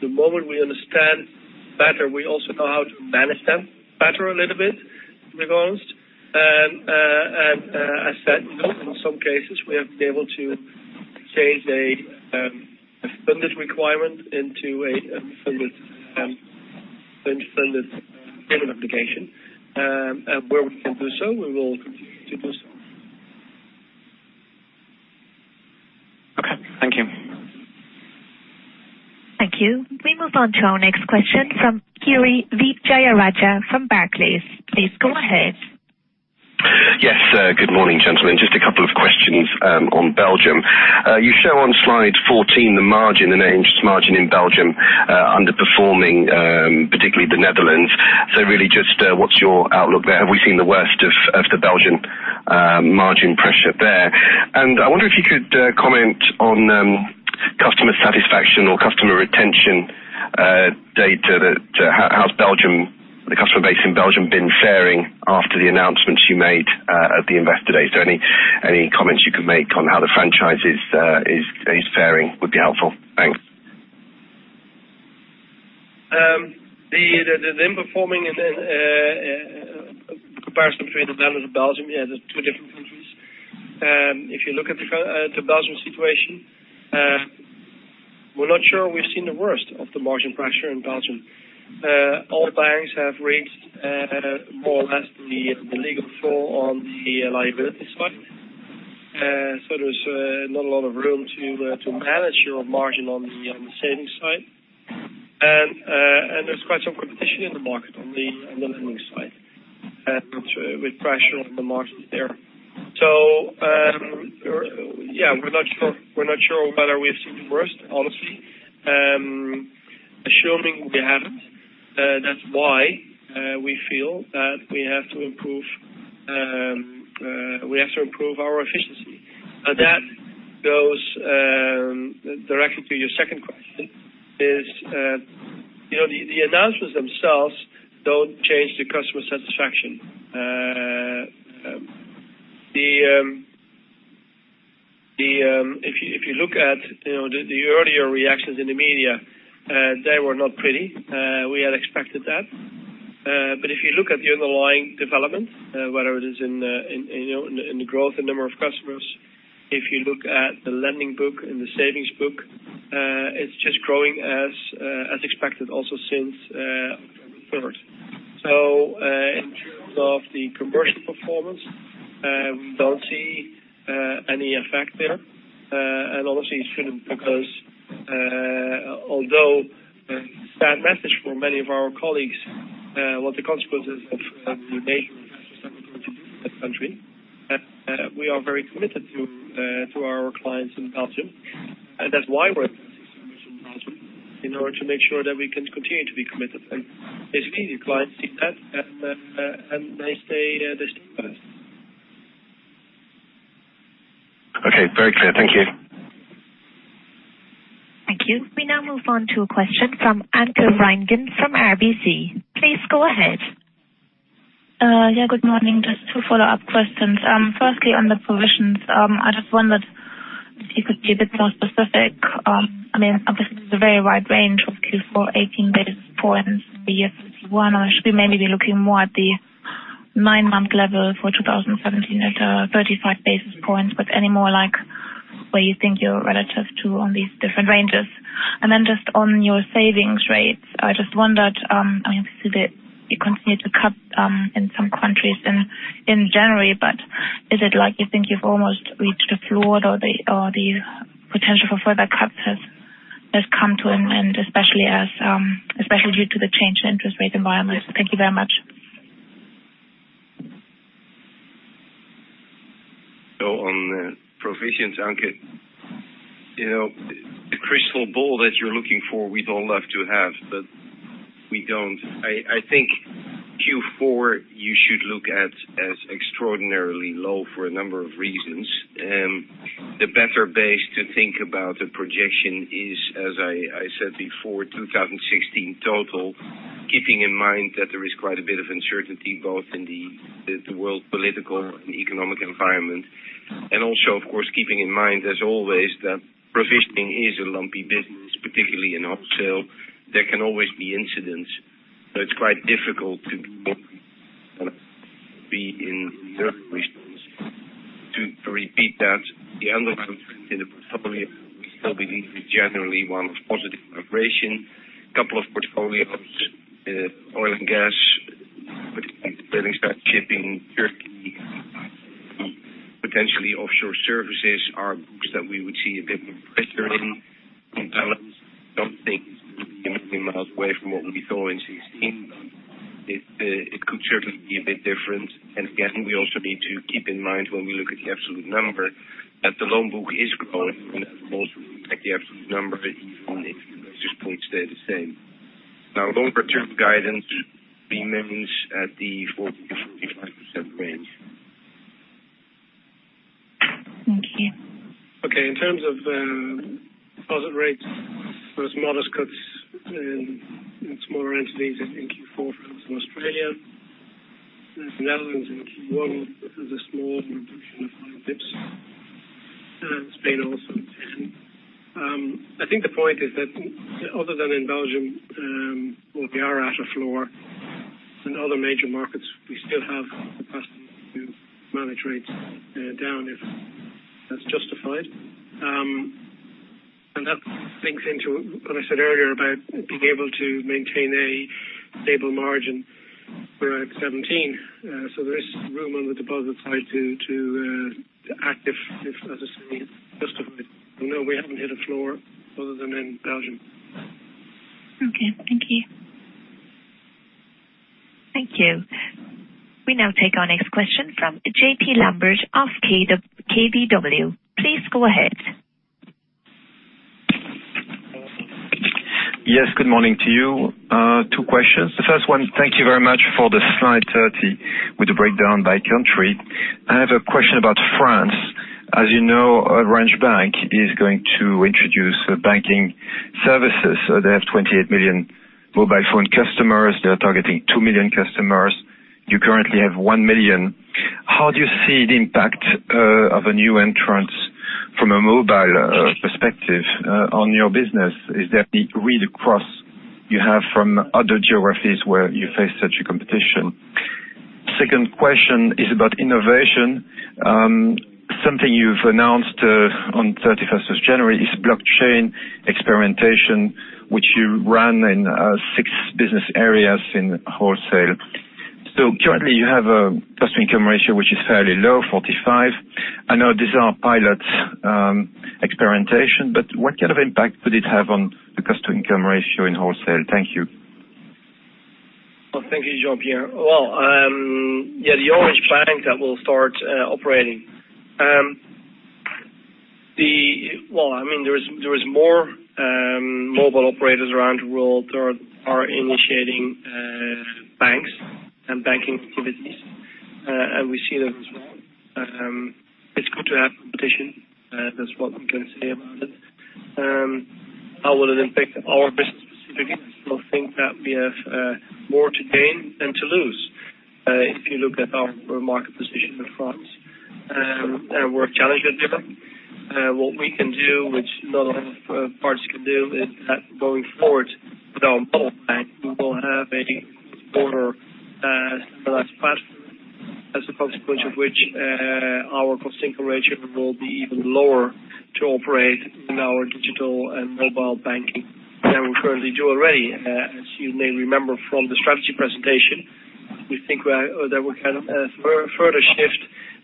the moment we understand better, we also know how to manage them better a little bit. Regards. As said, in some cases, we have been able to change a funded requirement into an unfunded given application. Where we can do so, we will continue to do so. Okay. Thank you. Thank you. We move on to our next question from Kiri Vijayarajah from Barclays. Please go ahead. Yes. Good morning, gentlemen. Just a couple of questions on Belgium. You show on slide 14 the margin, the net interest margin in Belgium, underperforming, particularly the Netherlands. Really just what's your outlook there? Have we seen the worst of the Belgian margin pressure there? I wonder if you could comment on customer satisfaction or customer retention data that, how's Belgium, the customer base in Belgium, been fairing after the announcements you made at the investor day? Any comments you can make on how the franchise is fairing would be helpful. Thanks. The underperforming then comparison between the Netherlands and Belgium, yeah, they're two different countries. If you look at the Belgium situation, we're not sure we've seen the worst of the margin pressure in Belgium. All banks have raised more or less the legal floor on the liability side. There's not a lot of room to manage your margin on the savings side. There's quite some competition in the market on the lending side, and with pressure on the margins there. Yeah, we're not sure whether we have seen the worst, honestly. Assuming we haven't, that's why we feel that we have to improve our efficiency. That goes directly to your second question, is, the announcements themselves don't change the customer satisfaction. If you look at the earlier reactions in the media, they were not pretty. We had expected that. If you look at the underlying development, whether it is in the growth in number of customers, if you look at the lending book and the savings book, it's just growing as expected also since October 1st. In terms of the conversion performance, we don't see any effect there. Obviously it shouldn't because, although a sad message for many of our colleagues, what the consequences of the nature of the country, we are very committed to our clients in Belgium. That's why we're in Belgium, in order to make sure that we can continue to be committed. Basically, clients see that, and they stay with us. Okay. Very clear. Thank you. Thank you. We now move on to a question from Anke Reingen from RBC. Please go ahead. Yeah, good morning. Just two follow-up questions. Firstly, on the provisions, I just wondered if you could be a bit more specific. Obviously, it's a very wide range of Q4, 18 basis points, be it 51, or should we mainly be looking more at the nine-month level for 2017 at 35 basis points, any more like, where you think you're relative to on these different ranges? Then just on your savings rates, I just wondered, obviously, that you continue to cut, in some countries in January, but is it like you think you've almost reached the floor or the potential for further cuts has come to an end, especially due to the change in interest rate environment? Thank you very much. On the provisions, Anke, the crystal ball that you're looking for, we'd all love to have, but we don't. I think Q4 you should look at as extraordinarily low for a number of reasons. The better base to think about the projection is, as I said before, 2016 total, keeping in mind that there is quite a bit of uncertainty, both in the world political and economic environment. Also, of course, keeping in mind, as always, that provisioning is a lumpy business, particularly in wholesale. There can always be incidents, so it's quite difficult to repeat that. The underlying trend in the portfolio, we still believe, is generally one of positive liberation. Couple of portfolios, oil and gas, particularly shipping, Turkey, potentially offshore services are books that we would see a bit more pressure in balance, don't think it would be a million miles away from what we saw in 2016. It could certainly be a bit different. Again, we also need to keep in mind when we look at the absolute number, that the loan book is growing and that will also impact the absolute number, even if the basis points stay the same. Loan return guidance remains at the 40%-45% range. Thank you. In terms of deposit rates, those modest cuts in smaller entities in Q4, for instance, Australia. The Netherlands in Q1, there's a small reduction of 5 basis points. Spain also. I think the point is that other than in Belgium, where we are at a floor, in other major markets, we still have the capacity to manage rates down if that's justified. That links into what I said earlier about being able to maintain a stable margin throughout 2017. There is room on the deposit side to act if, as I say, it's justified. No, we haven't hit a floor other than in Belgium. Okay. Thank you. Thank you. We now take our next question from Jean-Pierre Lambert of KBW. Please go ahead. Yes, good morning to you. Two questions. The first one, thank you very much for the slide 30 with the breakdown by country. I have a question about France. As you know, Orange Bank is going to introduce banking services. They have 28 million mobile phone customers. They're targeting two million customers. You currently have one million. How do you see the impact of a new entrant from a mobile perspective on your business? Is that the read-across you have from other geographies where you face such a competition? Second question is about innovation. Something you've announced on 31st of January is blockchain experimentation, which you run in six business areas in wholesale. Currently you have a cost-to-income ratio, which is fairly low, 45. I know these are pilot experimentation, but what kind of impact could it have on the cost-to-income ratio in wholesale? Thank you. Thank you, Jean-Pierre. Well, yeah, the Orange Bank that will start operating. There is more mobile operators around the world are initiating banks and banking activities, and we see that as well. It's good to have competition, that's what we can say about it. How will it impact our business specifically? I still think that we have more to gain than to lose, if you look at our market position in France. We're a challenger there. What we can do, which not a lot of parties can do, is that going forward with our model bank, we will have a broader centralized platform, as a consequence of which our cost-to-income ratio will be even lower to operate in our digital and mobile banking than we currently do already. As you may remember from the strategy presentation, we think that we can further shift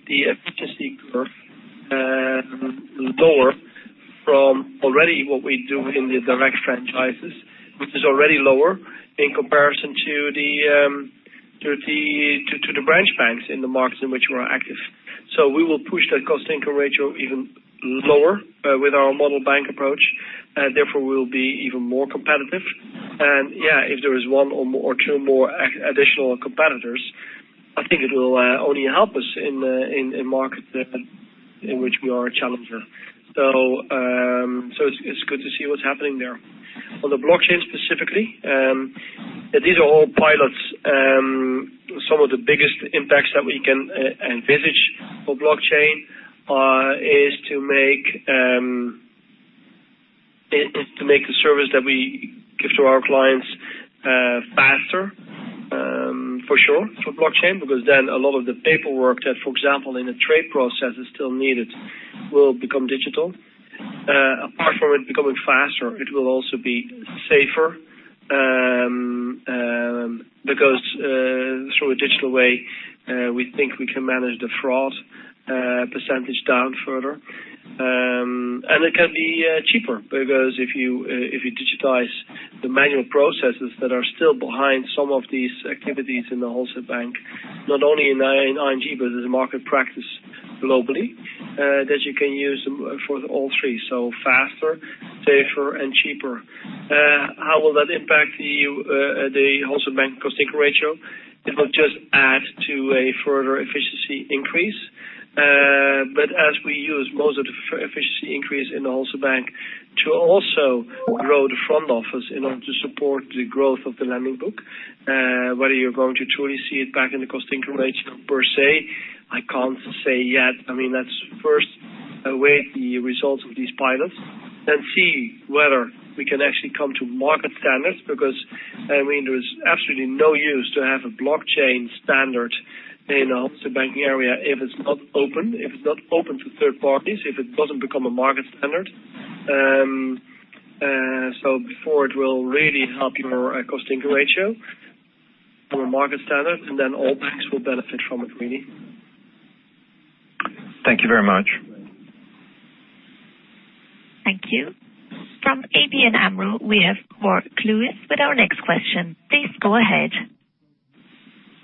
the efficiency curve lower from already what we do in the direct franchises, which is already lower in comparison to the branch banks in the markets in which we're active. We will push that cost-income ratio even lower with our model bank approach. Therefore, we'll be even more competitive. Yeah, if there is one or two more additional competitors, I think it will only help us in markets in which we are a challenger. It's good to see what's happening there. On the blockchain specifically, these are all pilots. Some of the biggest impacts that we can envisage for blockchain is to make the service that we give to our clients faster, for sure, through blockchain, because then a lot of the paperwork that, for example, in a trade process is still needed, will become digital. Apart from it becoming faster, it will also be safer, because through a digital way, we think we can manage the fraud % down further. It can be cheaper, because if you digitize the manual processes that are still behind some of these activities in the Wholesale Bank, not only in ING, but as a market practice globally, that you can use for the all three. Faster, safer, and cheaper. How will that impact the Wholesale Bank cost-income ratio? It will just add to a further efficiency increase. As we use most of the efficiency increase in the Wholesale Bank to also grow the front office in order to support the growth of the lending book, whether you're going to truly see it back in the cost-income ratio per se, I can't say yet. Let's first weigh the results of these pilots and see whether we can actually come to market standards, because there is absolutely no use to have a blockchain standard in a Wholesale Bank area if it's not open, if it's not open to third parties, if it doesn't become a market standard. Before it will really help your cost-income ratio, do a market standard, and then all banks will benefit from it, really. Thank you very much. Thank you. From ABN AMRO, we have Cor Kluis with our next question. Please go ahead.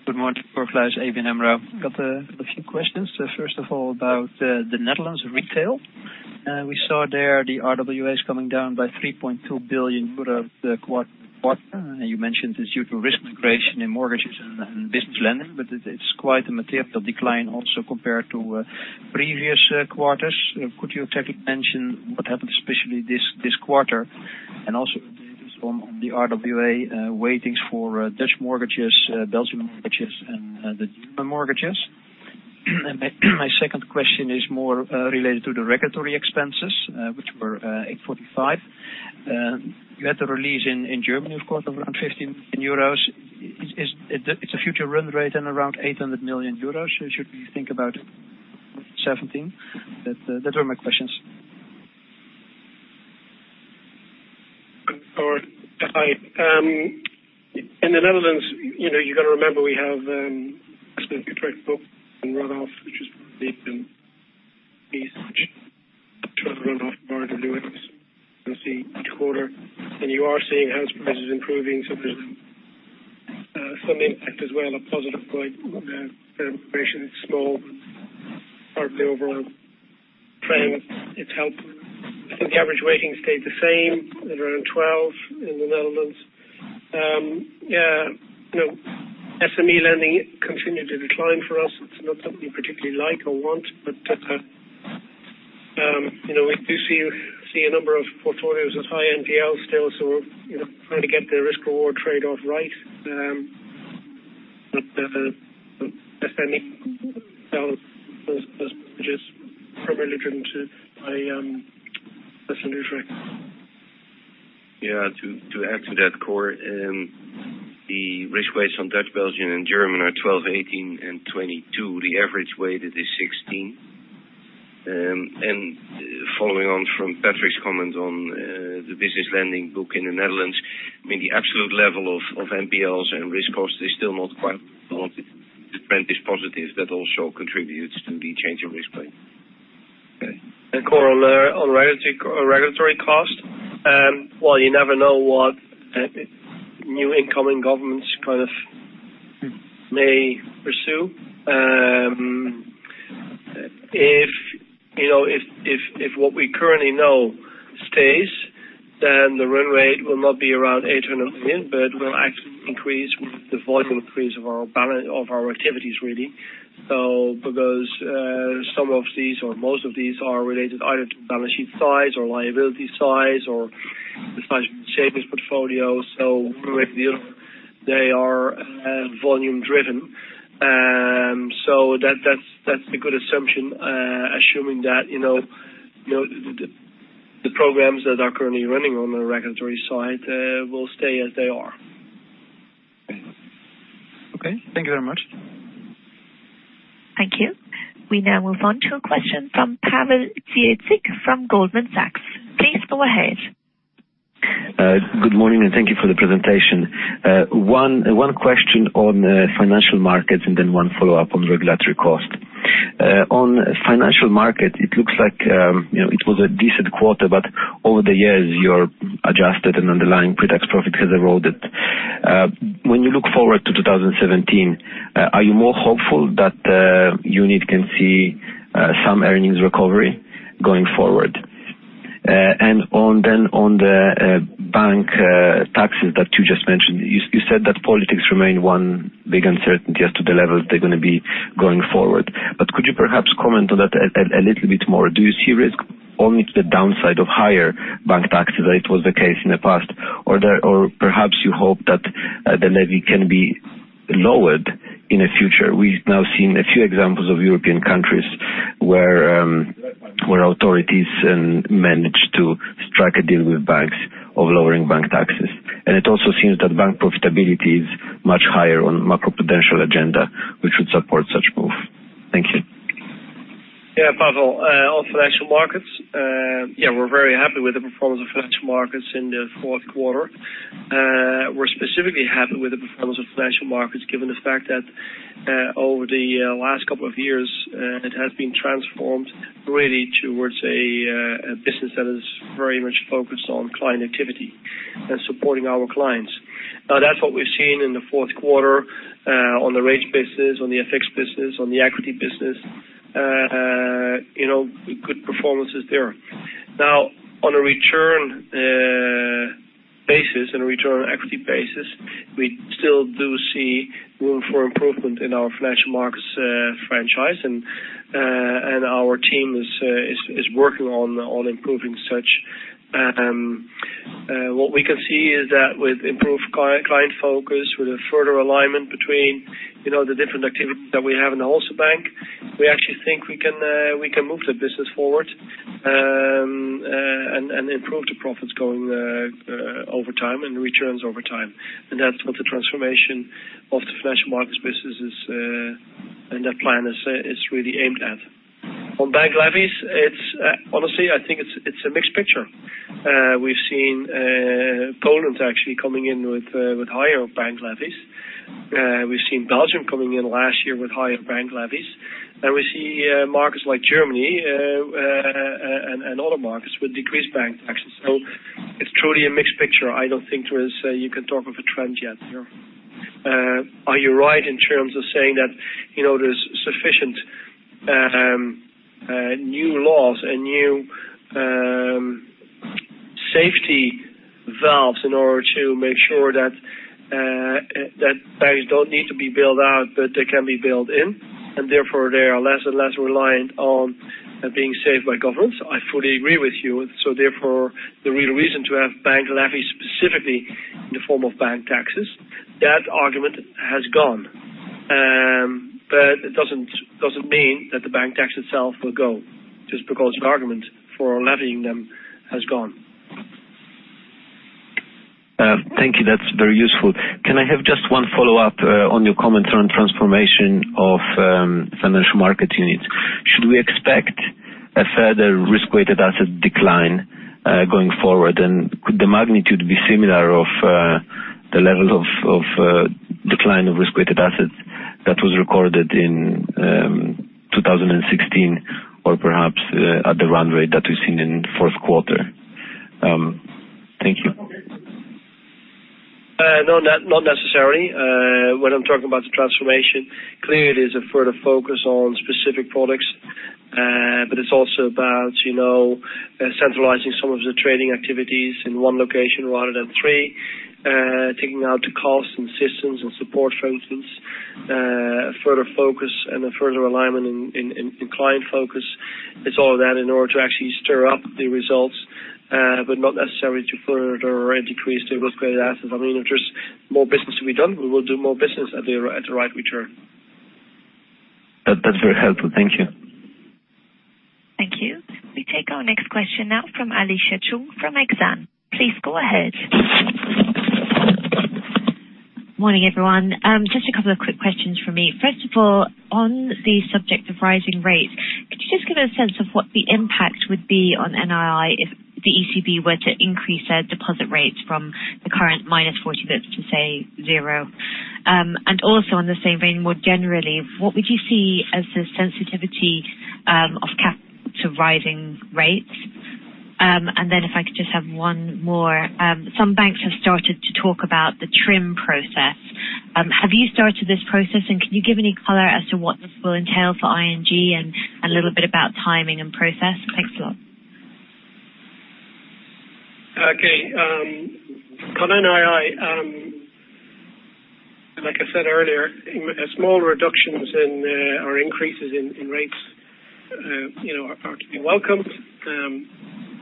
Good morning, Cor Kluis, ABN AMRO. Got a few questions. First of all, about the Netherlands retail. We saw there the RWAs coming down by 3.2 billion euros throughout the quarter. You mentioned it's due to risk migration in mortgages and business lending, it's quite a material decline also compared to previous quarters. Could you technically mention what happened especially this quarter? Also the RWA weightings for Dutch mortgages, Belgium mortgages, and the German mortgages. My second question is more related to the regulatory expenses, which were 845 million. You had the release in Germany, of course, of around 15 million euros. It's a future run rate around 800 million euros. Should we think about 2017? That were my questions. Cor, hi. In the Netherlands, you've got to remember we have and runoff, which is try to run off more to do it, and see each quarter. You are seeing house prices improving, so there's some impact as well, a positive inflation. It's small, but part of the overall trend. It's helped. I think the average waiting stayed the same at around 12 in the Netherlands. SME lending continued to decline for us. It's not something we particularly like or want, but we do see a number of portfolios with high NPL still, so trying to get the risk reward trade-off right. The SME is probably driven to by less than neutral. Yeah, to add to that, Cor, the risk weights on Dutch, Belgian, and German are 12, 18, and 22. The average weight is 16. Following on from Patrick's comment on the business lending book in the Netherlands, the absolute level of NPLs and risk costs is still not quite the trend is positive. That also contributes to the change in risk weight. Cor, on regulatory cost. While you never know what new incoming governments may pursue. If what we currently know stays, the run rate will not be around 800 million, but will actually increase with the volume increase of our activities, really. Because some of these or most of these are related either to balance sheet size or liability size or the size of the savings portfolio. One way or the other, they are volume driven. That's a good assumption, assuming that the programs that are currently running on the regulatory side will stay as they are. Okay. Thank you very much. Thank you. We now move on to a question from Pavel Zwiedzik from Goldman Sachs. Please go ahead. Good morning, and thank you for the presentation. One question on financial markets, and then one follow-up on regulatory cost. On financial markets, it looks like it was a decent quarter, but over the years, your adjusted and underlying pretax profit has eroded. When you look forward to 2017, are you more hopeful that the unit can see some earnings recovery going forward? On the bank taxes that you just mentioned, you said that politics remain one big uncertainty as to the level they're going to be going forward. Could you perhaps comment on that a little bit more? Do you see risk only to the downside of higher bank taxes as it was the case in the past, or perhaps you hope that the levy can be lowered in the future? We've now seen a few examples of European countries where authorities managed to strike a deal with banks of lowering bank taxes. It also seems that bank profitability is much higher on macro-political agenda, which would support such move. Thank you. Yeah, Pavel. On financial markets, we're very happy with the performance of financial markets in the fourth quarter. We're specifically happy with the performance of financial markets, given the fact that over the last couple of years, it has been transformed really towards a business that is very much focused on client activity and supporting our clients. That's what we've seen in the fourth quarter on the rates business, on the FX business, on the equity business. Good performances there. On a return basis and a return on equity basis, we still do see room for improvement in our financial markets franchise, and our team is working on improving such. What we can see is that with improved client focus, with a further alignment between the different activities that we have in the Wholesale Bank, we actually think we can move the business forward, and improve the profits going over time and returns over time. That's what the transformation of the financial markets business is, and that plan is really aimed at. On bank levies, honestly, I think it's a mixed picture. We've seen Poland actually coming in with higher bank levies. We've seen Belgium coming in last year with higher bank levies. We see markets like Germany and other markets with decreased bank taxes. It's truly a mixed picture. I don't think you can talk of a trend yet. Are you right in terms of saying that there's sufficient new laws and new safety valves in order to make sure that banks don't need to be bailed out, but they can be bailed in, and therefore they are less and less reliant on Are being saved by governments. I fully agree with you. Therefore, the real reason to have bank levy specifically in the form of bank taxes, that argument has gone. It doesn't mean that the bank tax itself will go just because the argument for levying them has gone. Thank you. That's very useful. Can I have just one follow-up on your comments on transformation of financial market units. Should we expect a further risk-weighted asset decline going forward? Could the magnitude be similar of the level of decline of risk-weighted assets that was recorded in 2016 or perhaps at the run rate that we've seen in the fourth quarter? Thank you. No, not necessarily. When I'm talking about the transformation, clearly it is a further focus on specific products, it's also about centralizing some of the trading activities in one location rather than three, taking out the cost and systems and support functions, a further focus and a further alignment in client focus. It's all of that in order to actually stir up the results, not necessarily to further or decrease the risk-weighted assets. If there's more business to be done, we will do more business at the right return. That's very helpful. Thank you. Thank you. We take our next question now from Alicia Chung from Exane. Please go ahead. Morning, everyone. Just a couple of quick questions from me. First of all, on the subject of rising rates, could you just give a sense of what the impact would be on NII if the ECB were to increase their deposit rates from the current minus 40 basis points to, say, 0. Also on the same vein, more generally, what would you see as the sensitivity of cap to rising rates? If I could just have one more. Some banks have started to talk about the TRIM process. Have you started this process, and can you give any color as to what this will entail for ING and a little bit about timing and process? Thanks a lot. Okay. On NII, like I said earlier, small reductions or increases in rates are to be welcomed,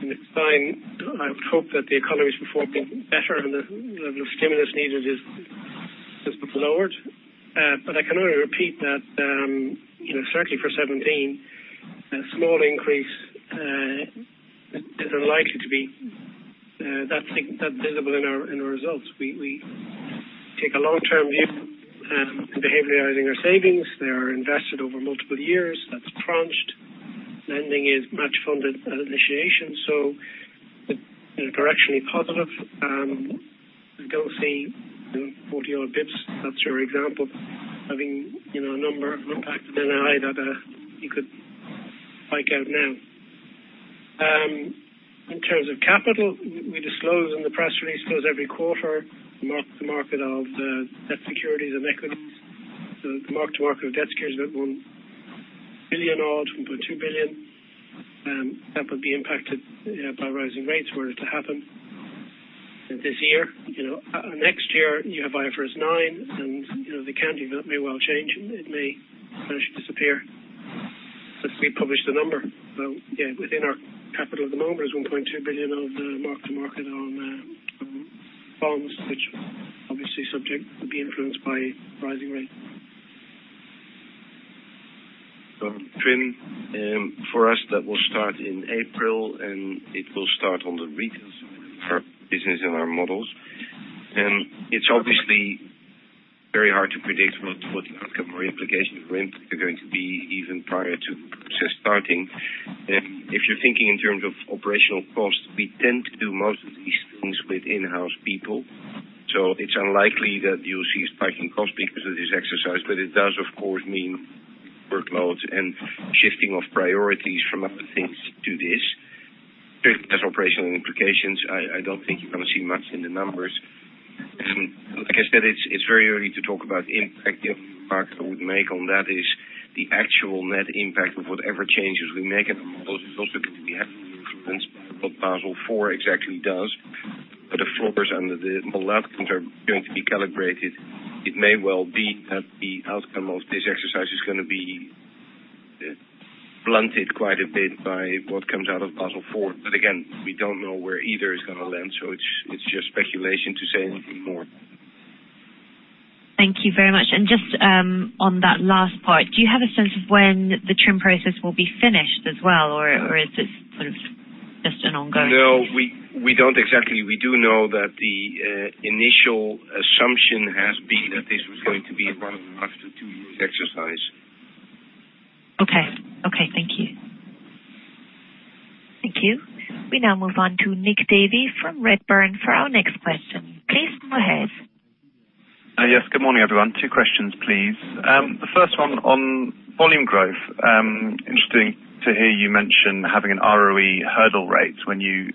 and it's fine. I would hope that the economies would form better and the level of stimulus needed is lowered. I can only repeat that, certainly for 2017, a small increase is unlikely to be that visible in our results. We take a long-term view in behavioralizing our savings. They are invested over multiple years. That's crunched. Lending is much funded at initiation, so they're directionally positive. We don't see 40 odd basis points. That's your example. Having a number impacted NII that you could pick out now. In terms of capital, we disclose in the press release, disclose every quarter, mark to market of the debt securities and equities. The mark to market of debt securities at 1 billion odd, 1.2 billion, and that would be impacted by rising rates were it to happen this year. Next year, you have IFRS 9. The accounting may well change. It may virtually disappear. We publish the number. Yeah, within our capital at the moment is 1.2 billion of the mark to market on bonds, which obviously subject would be influenced by rising rates. Trim. For us, that will start in April, it will start on the retail side of our business and our models. It's obviously very hard to predict what the outcome or implications of TRIM are going to be even prior to the process starting. If you're thinking in terms of operational costs, we tend to do most of these things with in-house people. It's unlikely that you'll see a spike in cost because of this exercise, but it does, of course, mean workloads and shifting of priorities from other things to this. Particularly as operational implications, I don't think you're going to see much in the numbers. Like I said, it's very early to talk about the impact. The only impact I would make on that is the actual net impact of whatever changes we make in the models. It's also because we have influence what Basel IV actually does, but the floors under the are going to be calibrated. It may well be that the outcome of this exercise is going to be blunted quite a bit by what comes out of Basel IV. Again, we don't know where either is going to land, so it's just speculation to say anything more. Thank you very much. Just on that last part, do you have a sense of when the TRIM process will be finished as well, or is this sort of just an ongoing thing? No, we don't exactly. We do know that the initial assumption has been that this was going to be a one-and-a-half to two-year exercise. Okay. Thank you. Thank you. We now move on to Nick Davey from Redburn for our next question. Please go ahead. Yes, good morning, everyone. Two questions, please. The first one on volume growth. Interesting to hear you mention having an ROE hurdle rate when you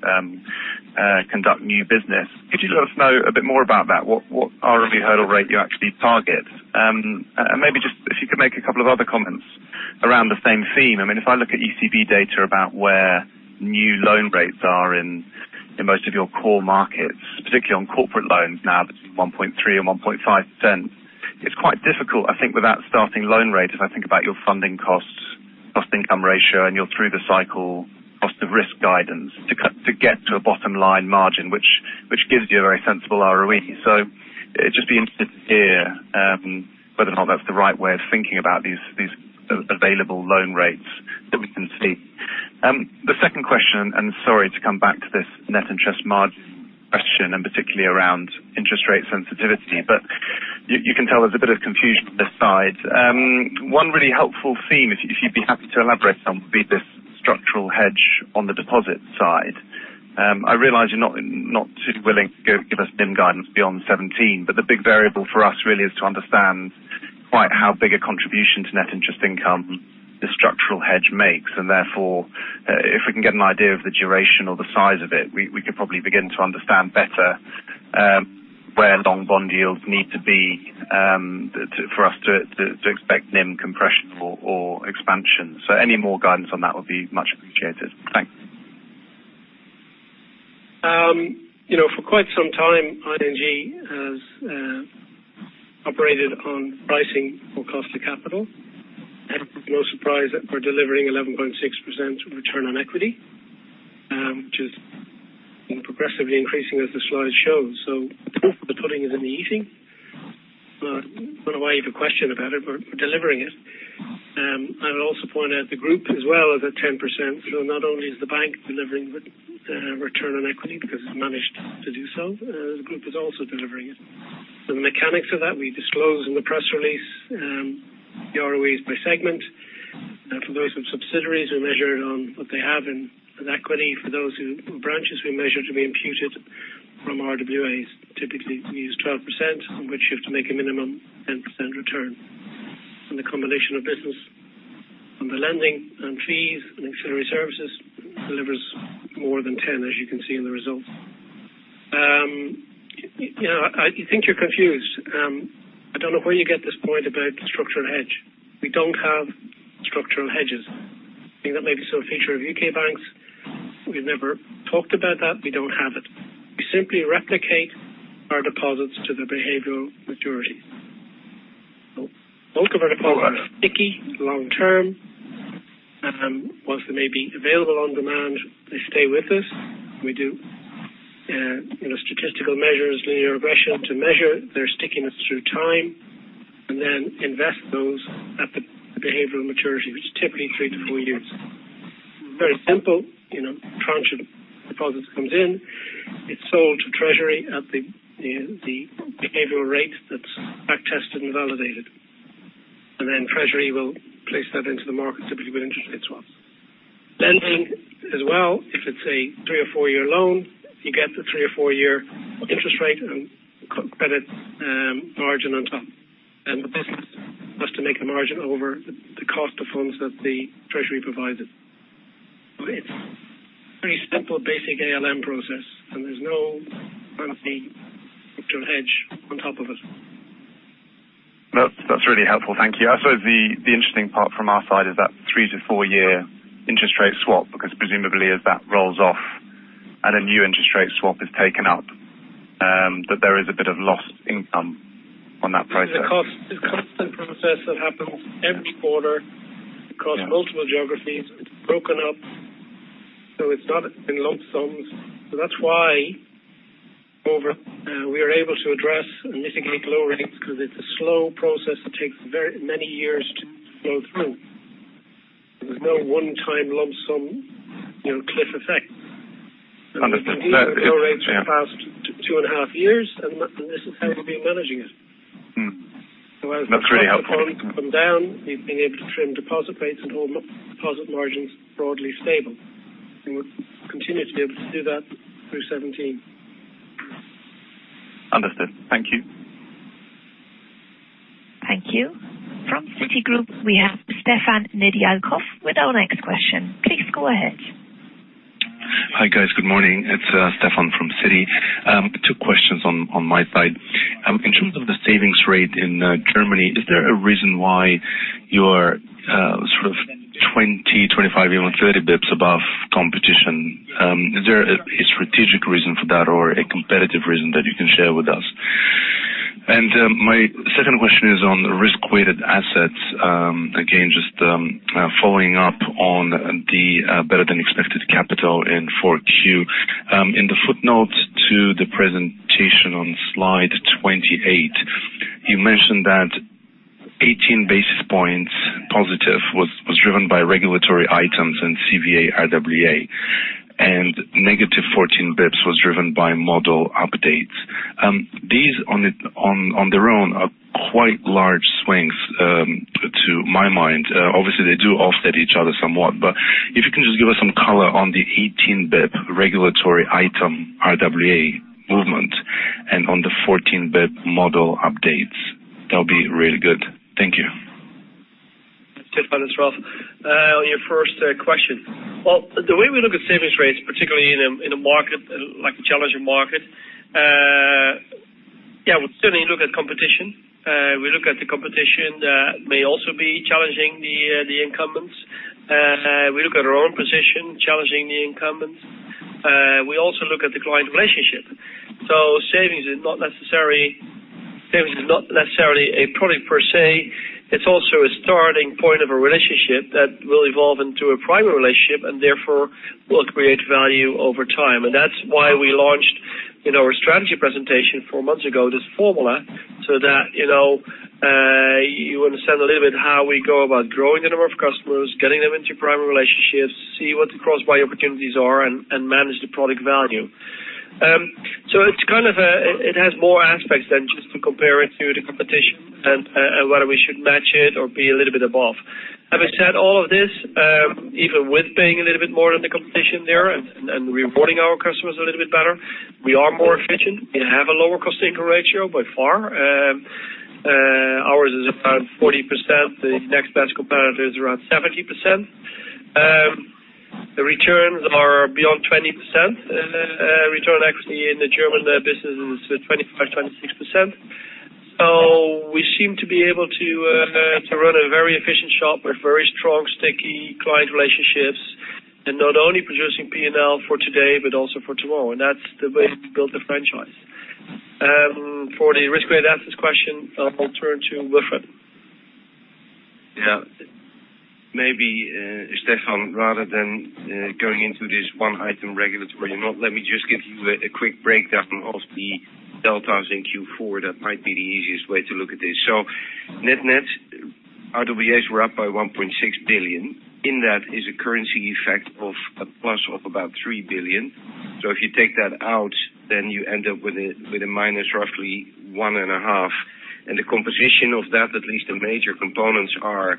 conduct new business. Could you let us know a bit more about that, what ROE hurdle rate you actually target? Maybe just if you could make a couple of other comments around the same theme. If I look at ECB data about where new loan rates are in most of your core markets, particularly on corporate loans now, between 1.3%-1.5% It's quite difficult, I think, without starting loan rates, as I think about your funding costs, cost-income ratio, and your through-the-cycle cost of risk guidance to get to a bottom-line margin, which gives you a very sensible ROE. It'd just be interesting to hear whether or not that's the right way of thinking about these available loan rates that we can see. The second question, sorry to come back to this net interest margin question, and particularly around interest rate sensitivity, but you can tell there's a bit of confusion on this side. One really helpful theme, if you'd be happy to elaborate on, would be this structural hedge on the deposit side. I realize you're not too willing to give us NIM guidance beyond 2017, but the big variable for us really is to understand quite how big a contribution to net interest income this structural hedge makes, and therefore, if we can get an idea of the duration or the size of it, we could probably begin to understand better where long bond yields need to be, for us to expect NIM compression or expansion. Any more guidance on that would be much appreciated. Thanks. For quite some time, ING has operated on pricing for cost of capital. No surprise that we're delivering 11.6% return on equity, which is progressively increasing, as the slide shows. The pudding is in the eating. I don't know why you have a question about it, we're delivering it. I would also point out the group as well is at 10%. Not only is the bank delivering the return on equity because it's managed to do so, the group is also delivering it. The mechanics of that, we disclose in the press release, the ROEs by segment. For those with subsidiaries, we measure it on what they have in equity. For those branches we measure to be imputed from RWAs. Typically, we use 12%, on which you have to make a minimum 10% return. The combination of business from the lending and fees and ancillary services delivers more than 10, as you can see in the results. I think you're confused. I don't know where you get this point about structural hedge. We don't have structural hedges. I think that may be some feature of U.K. banks. We've never talked about that. We don't have it. We simply replicate our deposits to the behavioral maturity. Bulk of our deposits are sticky, long-term. Whilst they may be available on demand, they stay with us. We do statistical measures, linear regression to measure their stickiness through time, and then invest those at the behavioral maturity, which is typically three to four years. Very simple. Tranche of deposits comes in, it's sold to Treasury at the behavioral rate that's back-tested and validated. Treasury will place that into the market, typically with interest rate swaps. Lending as well, if it's a three or four-year loan, you get the three or four-year interest rate and credit margin on top. The business has to make the margin over the cost of funds that the Treasury provides it. It's pretty simple, basic ALM process, and there's no fancy structural hedge on top of it. No, that's really helpful. Thank you. I suppose the interesting part from our side is that three to four-year interest rate swap, because presumably as that rolls off and a new interest rate swap is taken up, that there is a bit of lost income on that process. It's a constant process that happens every quarter across multiple geographies. It's broken up, it's not in lump sums. That's why we are able to address and mitigate low rates, because it's a slow process that takes many years to flow through. There's no one-time lump sum cliff effect. Understood. We've been dealing with low rates for the past two and a half years, this is how we've been managing it. That's really helpful. As rates come down, we've been able to trim deposit rates and hold deposit margins broadly stable. We would continue to be able to do that through 2017. Understood. Thank you. Thank you. From Citigroup, we have Stefan Nedialkov with our next question. Please go ahead. Hi, guys. Good morning. It's Stefan from Citi. Two questions on my side. In terms of the savings rate in Germany, is there a reason why you're sort of 20 basis points, 25 basis points, even 30 basis points above competition? Is there a strategic reason for that or a competitive reason that you can share with us? My second question is on risk-weighted assets. Again, just following up on the better-than-expected capital in Q4. In the footnote to the presentation on Slide 28, you mentioned that 18 basis points positive was driven by regulatory items and CVA RWA, and negative 14 basis points was driven by model updates. These, on their own, are quite large swings, to my mind. Obviously, they do offset each other somewhat, but if you can just give us some color on the 18 basis points regulatory item RWA movement and on the 14 basis points model updates, that would be really good. Thank you. Stefan, it's Ralph. On your first question. Well, the way we look at savings rates, particularly in a challenging market, we certainly look at competition. We look at the competition that may also be challenging the incumbents. We look at our own position challenging the incumbents. We also look at the client relationship. Savings is not necessarily a product per se. It's also a starting point of a relationship that will evolve into a primary relationship and therefore will create value over time. That's why we launched in our strategy presentation four months ago, this formula, so that you understand a little bit how we go about growing the number of customers, getting them into primary relationships, see what the cross-buy opportunities are, and manage the product value. It has more aspects than just to compare it to the competition and whether we should match it or be a little bit above. Having said all of this, even with paying a little bit more than the competition there and rewarding our customers a little bit better, we are more efficient. We have a lower cost-income ratio by far. Ours is around 40%. The next best competitor is around 70%. The returns are beyond 20%. Return equity in the German business is 25, 26%. We seem to be able to run a very efficient shop with very strong, sticky client relationships, and not only producing P&L for today but also for tomorrow. That's the way to build the franchise. For the risk-weighted assets question, I'll turn to Wilfred. Maybe Stefan, rather than going into this one item regulatory or not, let me just give you a quick breakdown of the deltas in Q4. That might be the easiest way to look at this. Net-net, RWAs were up by 1.6 billion. In that is a currency effect of a plus of about 3 billion. If you take that out, then you end up with a minus roughly one and a half. The composition of that, at least the major components are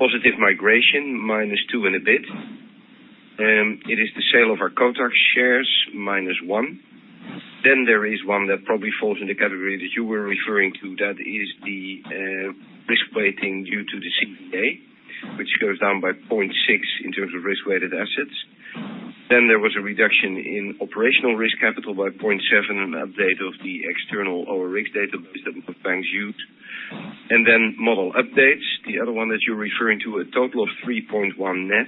positive migration, minus two and a bit. It is the sale of our Kotak shares, minus one. There is one that probably falls in the category that you were referring to, that is the risk weighting due to the CVA, which goes down by 0.6 in terms of risk-weighted assets. There was a reduction in operational risk capital by 0.7, an update of the external ORIC database that banks used. Model updates. The other one that you're referring to, a total of 3.1 net.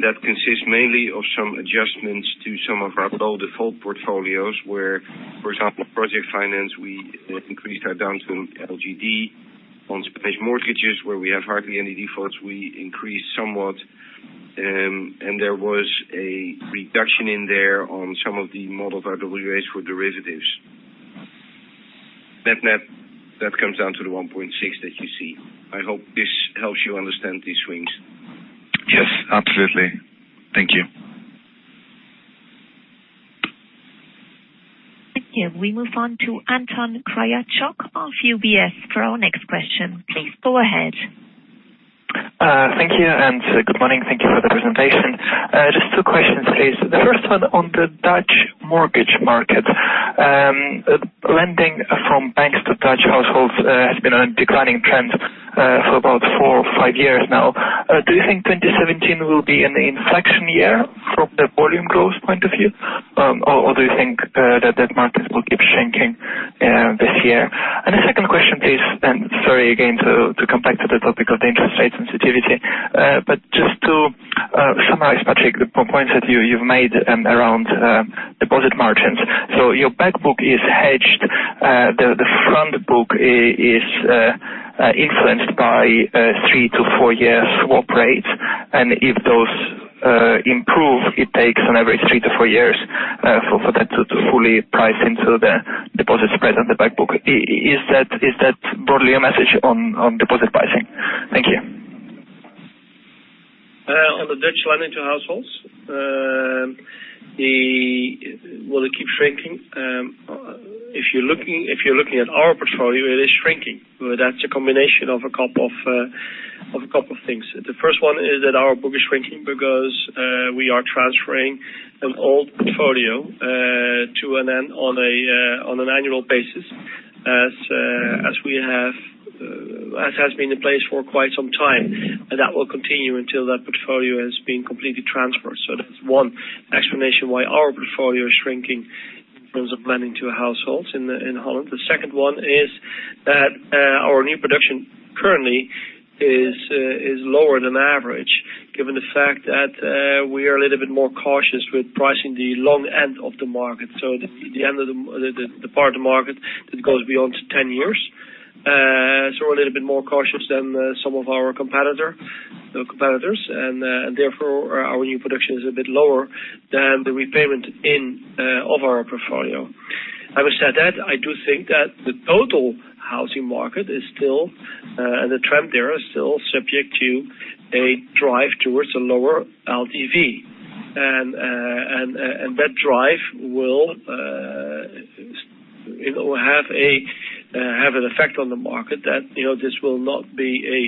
That consists mainly of some adjustments to some of our old default portfolios, where, for example, project finance, we increased our downside LGD. On Spanish mortgages, where we have hardly any defaults, we increased somewhat. There was a reduction in there on some of the modeled RWAs for derivatives. Net-net, that comes down to the 1.6 that you see. I hope this helps you understand these swings. Yes, absolutely. Thank you. Thank you. We move on to Anton Kryachok of UBS for our next question. Please go ahead. Thank you. Good morning. Thank you for the presentation. Just two questions, please. The first one on the Dutch mortgage market. Lending from banks to Dutch households has been on a declining trend for about four or five years now. Do you think 2017 will be an inflection year from the volume growth point of view, or do you think that that market will keep shrinking this year? The second question, please, and sorry again to come back to the topic of the interest rate sensitivity. Just to summarize, Patrick, the points that you've made around deposit margins. Your back book is hedged. The front book is influenced by three to four-year swap rates. If those improve, it takes on average three to four years for that to fully price into the deposit spread on the back book. Is that broadly a message on deposit pricing? Thank you. On the Dutch lending to households, will it keep shrinking? If you're looking at our portfolio, it is shrinking. That's a combination of a couple of things. The first one is that our book is shrinking because we are transferring an old portfolio to an end on an annual basis, as has been in place for quite some time. That will continue until that portfolio has been completely transferred. That's one explanation why our portfolio is shrinking in terms of lending to households in Holland. The second one is that our new production currently is lower than average, given the fact that we are a little bit more cautious with pricing the long end of the market. The part of the market that goes beyond 10 years. We're a little bit more cautious than some of our competitors, and therefore, our new production is a bit lower than the repayment of our portfolio. Having said that, I do think that the total housing market and the trend there are still subject to a drive towards a lower LTV. That drive will have an effect on the market that this will not be a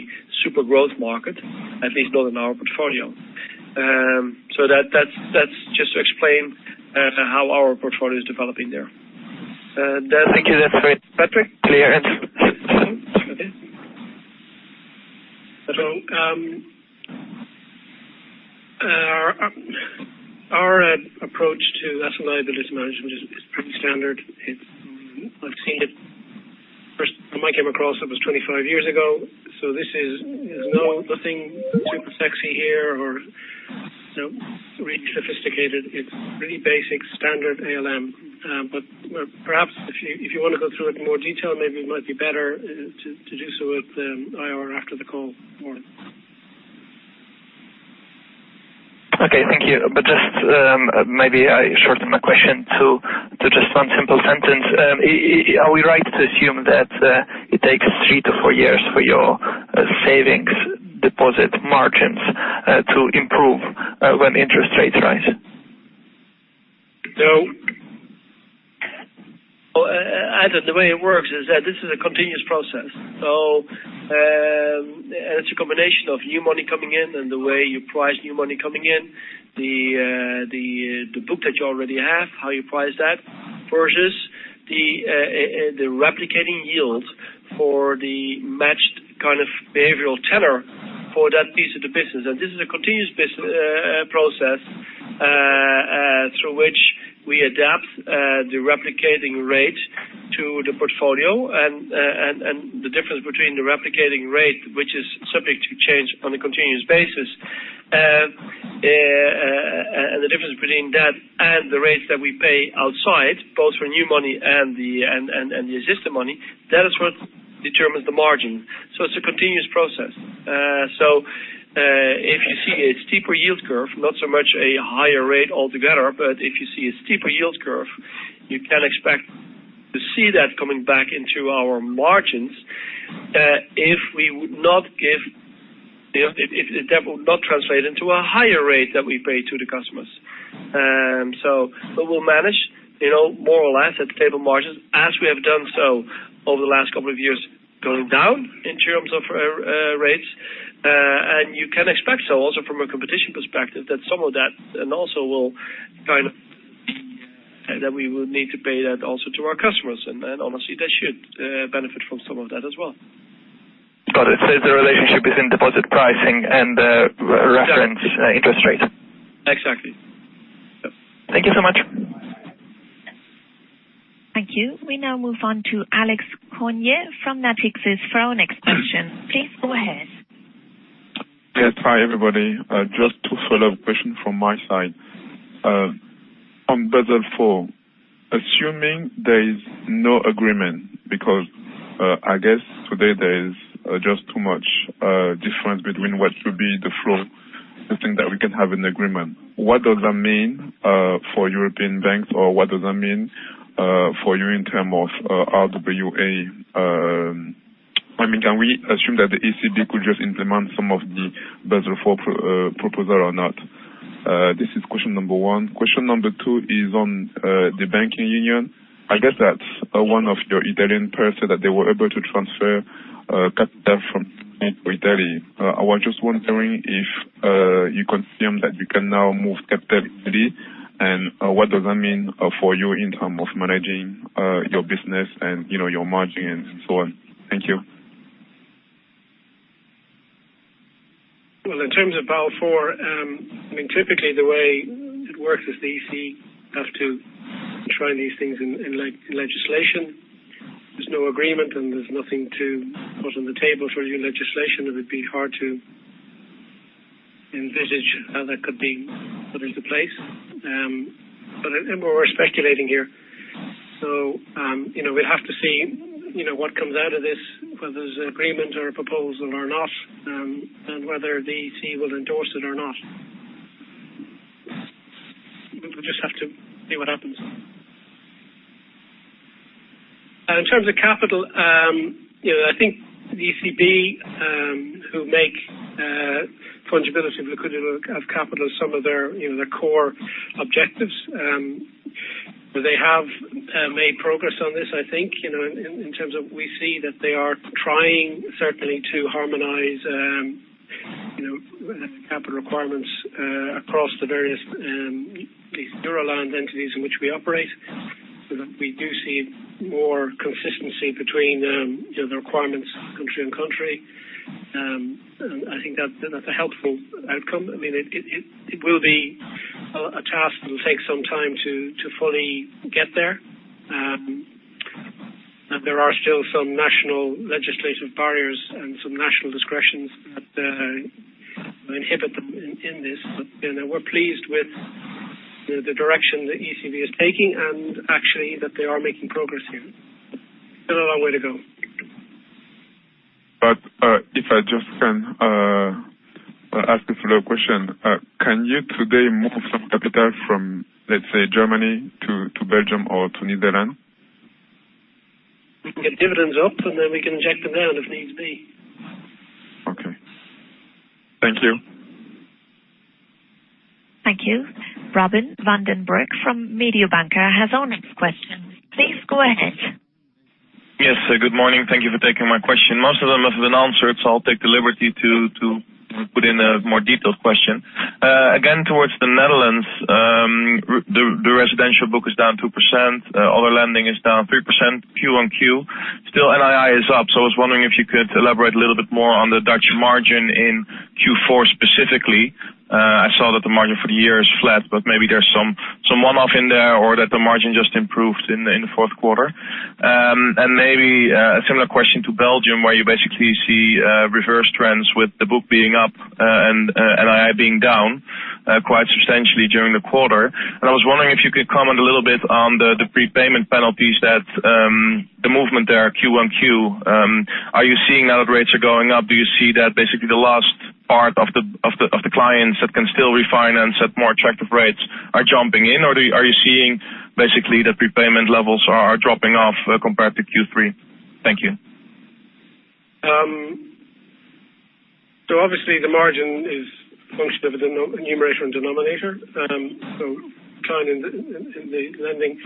super growth market, at least not in our portfolio. That's just to explain how our portfolio is developing there. Thank you. That is very, Patrick, clear. Okay. Our approach to asset liability management is pretty standard. I have seen it. When I came across it was 25 years ago. This is nothing super sexy here or really sophisticated. It is really basic standard ALM. Perhaps if you want to go through it in more detail, maybe it might be better to do so with IR after the call. Okay, thank you. Just maybe I shorten my question to just one simple sentence. Are we right to assume that it takes 3 to 4 years for your savings deposit margins to improve when interest rates rise? Adam, the way it works is that this is a continuous process. It is a combination of new money coming in and the way you price new money coming in, the book that you already have, how you price that versus the replicating yield for the matched kind of behavioral tenor for that piece of the business. This is a continuous process, through which we adapt the replicating rate to the portfolio. The difference between the replicating rate, which is subject to change on a continuous basis, and the difference between that and the rates that we pay outside, both for new money and the existing money, that is what determines the margin. It is a continuous process. If you see a steeper yield curve, not so much a higher rate altogether, but if you see a steeper yield curve, you can expect to see that coming back into our margins, if that will not translate into a higher rate that we pay to the customers. We'll manage more or less at stable margins as we have done so over the last couple of years, going down in terms of rates. You can expect so also from a competition perspective, that some of that we would need to pay that also to our customers. Honestly, they should benefit from some of that as well. Got it. It's the relationship between deposit pricing and the reference interest rate. Exactly. Yep. Thank you so much. Thank you. We now move on to Alex Koagne from Natixis for our next question. Please go ahead. Yes. Hi, everybody. Just two follow-up question from my side. On Basel IV, assuming there is no agreement because, I guess today there is just too much difference between what should be the flow, the thing that we can have an agreement. What does that mean for European banks, or what does that mean for you in term of RWA? Can we assume that the ECB could just implement some of the Basel IV proposal or not? This is question number 1. Question number 2 is on the banking union. I guess that's one of your Italian person that they were able to transfer capital from Italy. I was just wondering if you can assume that you can now move capital freely and what does that mean for you in term of managing your business and your margin and so on. Thank you. Well, in terms of Basel IV, typically the way it works is the EC have to try these things in legislation. There's no agreement, there's nothing to put on the table for new legislation that would be hard to envisage how that could be put into place. We're speculating here. We'll have to see what comes out of this, whether there's an agreement or a proposal or not, and whether the EC will endorse it or not. We'll just have to see what happens. In terms of capital, I think the ECB, who make fungibility of liquidity of capital some of their core objectives, they have made progress on this, I think, in terms of we see that they are trying certainly to harmonize capital requirements across the various Euroland entities in which we operate, so that we do see more consistency between the requirements country on country. I think that's a helpful outcome. It will be a task that will take some time to fully get there. There are still some national legislative barriers and some national discretions that inhibit them in this. We're pleased with the direction the ECB is taking and actually that they are making progress here. Still a long way to go. If I just can ask a follow-up question. Can you today move some capital from, let's say, Germany to Belgium or to Netherlands? We can get dividends up, we can inject them down if needs be. Okay. Thank you. Thank you. Robin van den Broek from Mediobanca has our next question. Please go ahead. Yes. Good morning. Thank you for taking my question. Most of them have been answered, I'll take the liberty to put in a more detailed question. Towards the Netherlands, the residential book is down 2%, other lending is down 3% Q on Q. Still NII is up, I was wondering if you could elaborate a little bit more on the Dutch margin in Q4 specifically. I saw that the margin for the year is flat, maybe there's some one-off in there or that the margin just improved in the fourth quarter. Maybe a similar question to Belgium, where you basically see reverse trends with the book being up and NII being down quite substantially during the quarter. I was wondering if you could comment a little bit on the prepayment penalties that the movement there, Q on Q. Are you seeing now that rates are going up, do you see that basically the last part of the clients that can still refinance at more attractive rates are jumping in, or are you seeing basically that prepayment levels are dropping off compared to Q3? Thank you. Obviously the margin is a function of the numerator and denominator. Decline in the lending,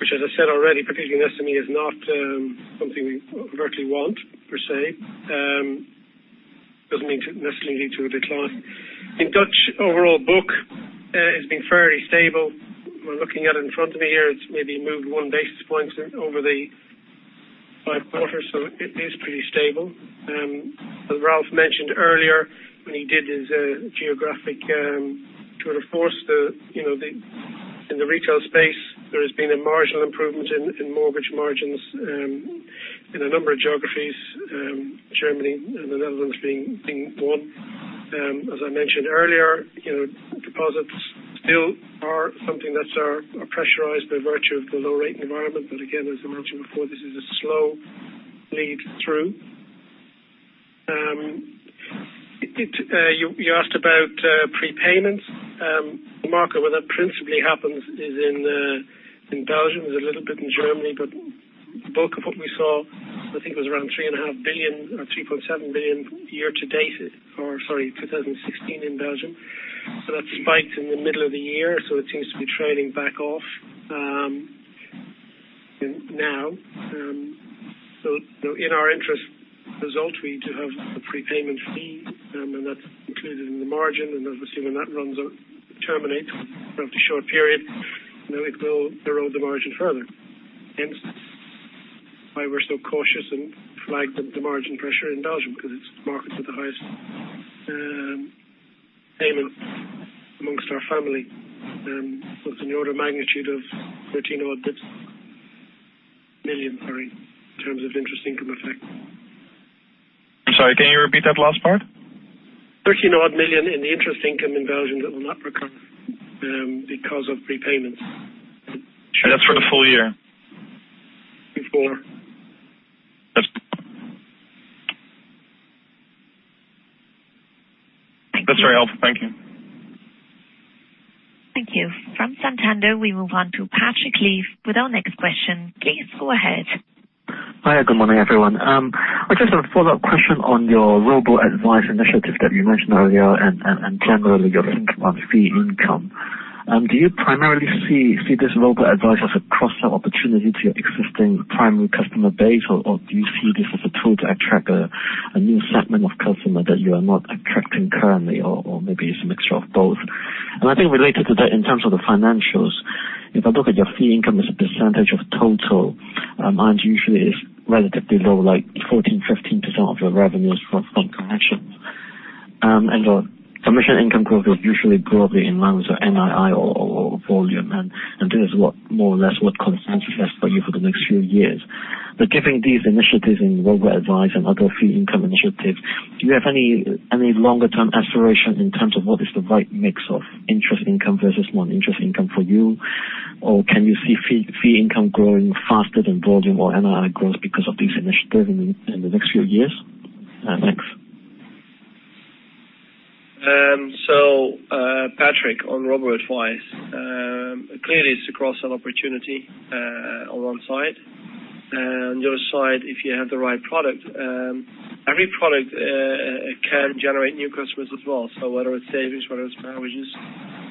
which as I said already, particularly in SME, is not something we overtly want, per se. Doesn't necessarily lead to a decline. The Dutch overall book has been fairly stable. We're looking at it in front of me here, it's maybe moved one basis point over the five quarters, it is pretty stable. As Ralph mentioned earlier, when he did his geographic tour de force, in the retail space, there has been a marginal improvement in mortgage margins in a number of geographies, Germany and the Netherlands being one. As I mentioned earlier, deposits still are something that are pressurized by virtue of the low rate environment. Again, as I mentioned before, this is a slow bleed through. You asked about prepayments. The market where that principally happens is in Belgium, is a little bit in Germany, the bulk of what we saw, I think it was around 3.5 billion or 3.7 billion year to date, or sorry, 2016 in Belgium. That spiked in the middle of the year, it seems to be trailing back off now. In our interest result, we need to have the prepayment fee, that's included in the margin. Obviously when that terminates throughout the short period, it will erode the margin further. Hence, why we're so cautious and flagged the margin pressure in Belgium because it's the market with the highest payment amongst our family. It's in the order of magnitude of 13 million, sorry, in terms of interest income effect. I'm sorry, can you repeat that last part? 13 million in the interest income in Belgium that will not recur because of prepayments. That's for the full year. Before. That's very helpful. Thank you. Thank you. From Santander, we move on to Patrick Leaf with our next question. Please go ahead. Hi, good morning, everyone. I just have a follow-up question on your robo-advice initiative that you mentioned earlier and generally your think about fee income. Do you primarily see this robo-advice as a cross-sell opportunity to your existing primary customer base, or do you see this as a tool to attract a new segment of customer that you are not attracting currently, or maybe it's a mixture of both? I think related to that, in terms of the financials, if I look at your fee income as a percentage of total, mine usually is relatively low, like 14%, 15% of your revenues from connections. Your commission income growth was usually broadly in line with NII or volume, and I think that's what more or less what consensus has for you for the next few years. Given these initiatives in robo-advice and other fee income initiatives, do you have any longer-term aspiration in terms of what is the right mix of interest income versus non-interest income for you? Or can you see fee income growing faster than volume or NII growth because of these initiatives in the next few years? Thanks. Patrick, on robo-advice. Clearly it's a cross-sell opportunity on one side. On the other side, if you have the right product, every product can generate new customers as well. Whether it's savings, whether it's mortgages,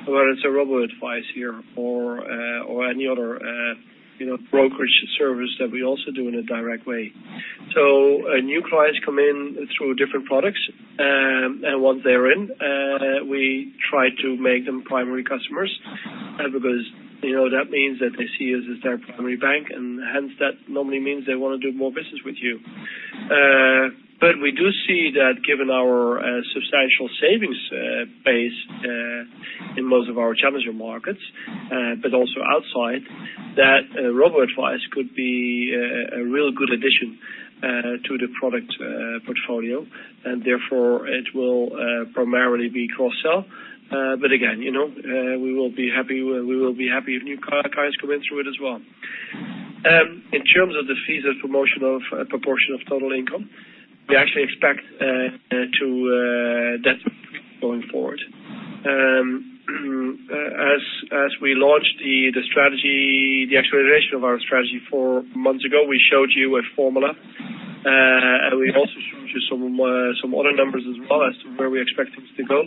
whether it's a robo-advice here or any other brokerage service that we also do in a direct way. New clients come in through different products, and once they're in, we try to make them primary customers because that means that they see us as their primary bank, and hence that normally means they want to do more business with you. We do see that given our substantial savings base in most of our challenger markets, but also outside, that robo-advice could be a real good addition to the product portfolio, and therefore it will primarily be cross-sell. Again, we will be happy if new clients come in through it as well. In terms of the fees as proportion of total income, we actually expect that going forward. As we launched the acceleration of our strategy 4 months ago, we showed you a formula, we also showed you some other numbers as well as to where we expect it to go.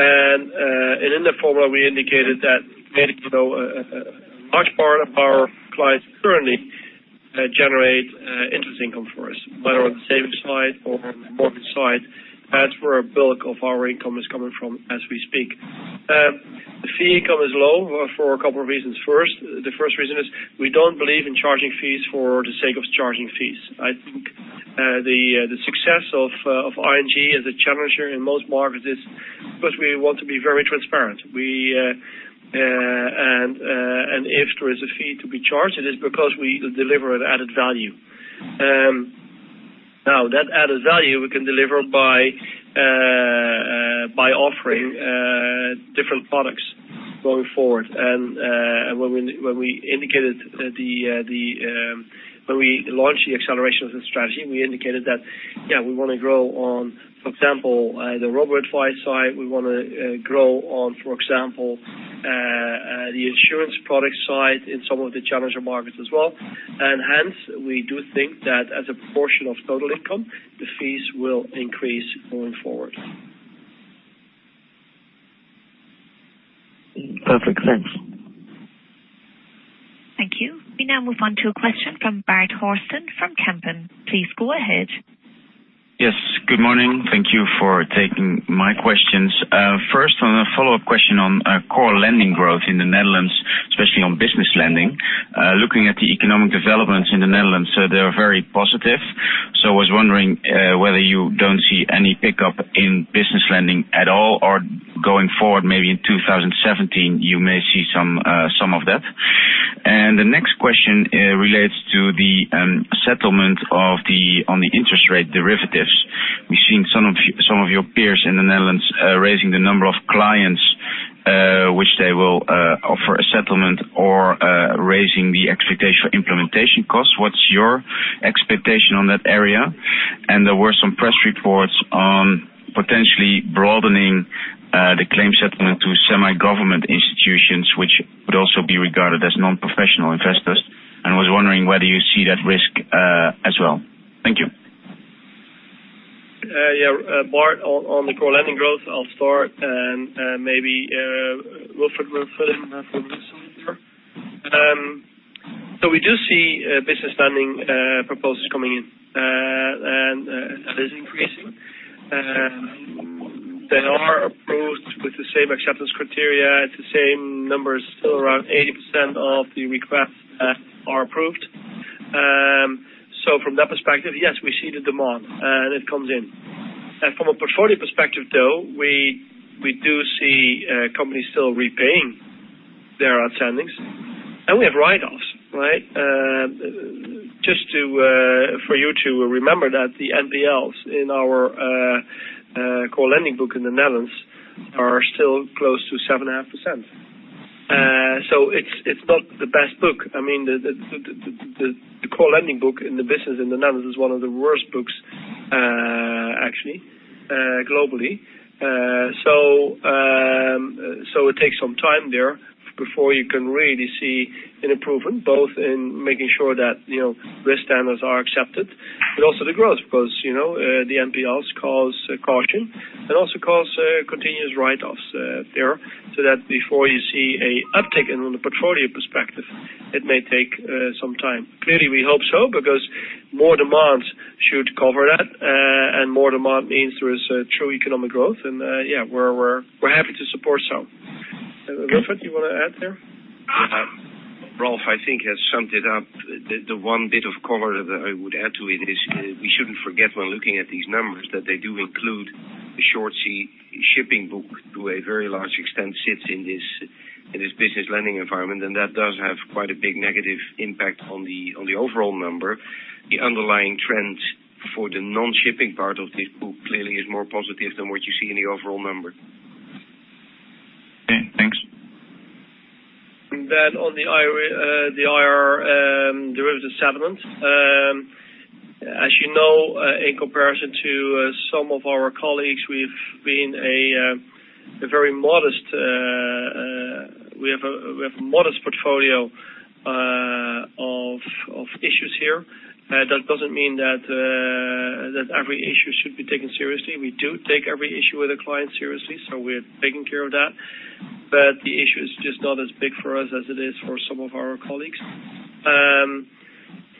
In the formula, we indicated that many, a large part of our clients currently generate interest income for us, whether on the savings side or mortgage side. That's where a bulk of our income is coming from as we speak. Fee income is low for a couple of reasons. First, the first reason is we don't believe in charging fees for the sake of charging fees. I think the success of ING as a challenger in most markets is because we want to be very transparent. If there is a fee to be charged, it is because we deliver an added value. Now, that added value we can deliver by offering different products going forward. When we launched the acceleration of the strategy, we indicated that, we want to grow on, for example, the robo-advice side. We want to grow on, for example, the insurance product side in some of the challenger markets as well. Hence, we do think that as a proportion of total income, the fees will increase going forward. Perfect sense. Thank you. We now move on to a question from Bart Horsten from Kempen. Please go ahead. Yes. Good morning. Thank you for taking my questions. First, on a follow-up question on core lending growth in the Netherlands, especially on business lending. Looking at the economic developments in the Netherlands, they are very positive. I was wondering whether you don't see any pickup in business lending at all, or going forward, maybe in 2017, you may see some of that. The next question relates to the settlement on the interest rate derivatives. We've seen some of your peers in the Netherlands raising the number of clients which they will offer a settlement or raising the expectation for implementation costs. What's your expectation on that area? There were some press reports on potentially broadening the claim settlement to semi-government institutions, which would also be regarded as non-professional investors. I was wondering whether you see that risk as well. Thank you. Bart, on the core lending growth, I'll start and maybe Wilfred will fill in from this side here. We do see business lending proposals coming in, and that is increasing. They are approved with the same acceptance criteria. It's the same numbers, still around 80% of the requests are approved. From that perspective, yes, we see the demand, and it comes in. From a portfolio perspective, though, we do see companies still repaying their outstandings. We have write-offs. Just for you to remember that the NPLs in our core lending book in the Netherlands are still close to 7.5%. It's not the best book. The core lending book in the business in the Netherlands is one of the worst books, actually, globally. It takes some time there before you can really see an improvement, both in making sure that risk standards are accepted, but also the growth, because the NPLs cause caution and also cause continuous write-offs there. That before you see an uptick in the portfolio perspective, it may take some time. Clearly, we hope so because more demand should cover that, and more demand means there is true economic growth, and we're happy to support some. Wilfred, you want to add there? Ralph, I think, has summed it up. The one bit of color that I would add to it is we shouldn't forget when looking at these numbers that they do include the short sea shipping book to a very large extent sits in this business lending environment, and that does have quite a big negative impact on the overall number. The underlying trend for the non-shipping part of this book clearly is more positive than what you see in the overall number. Okay, thanks. On the IR derivative settlement. As you know, in comparison to some of our colleagues, we have a modest portfolio of issues here. That doesn't mean that every issue should be taken seriously. We do take every issue with a client seriously, so we're taking care of that. But the issue is just not as big for us as it is for some of our colleagues.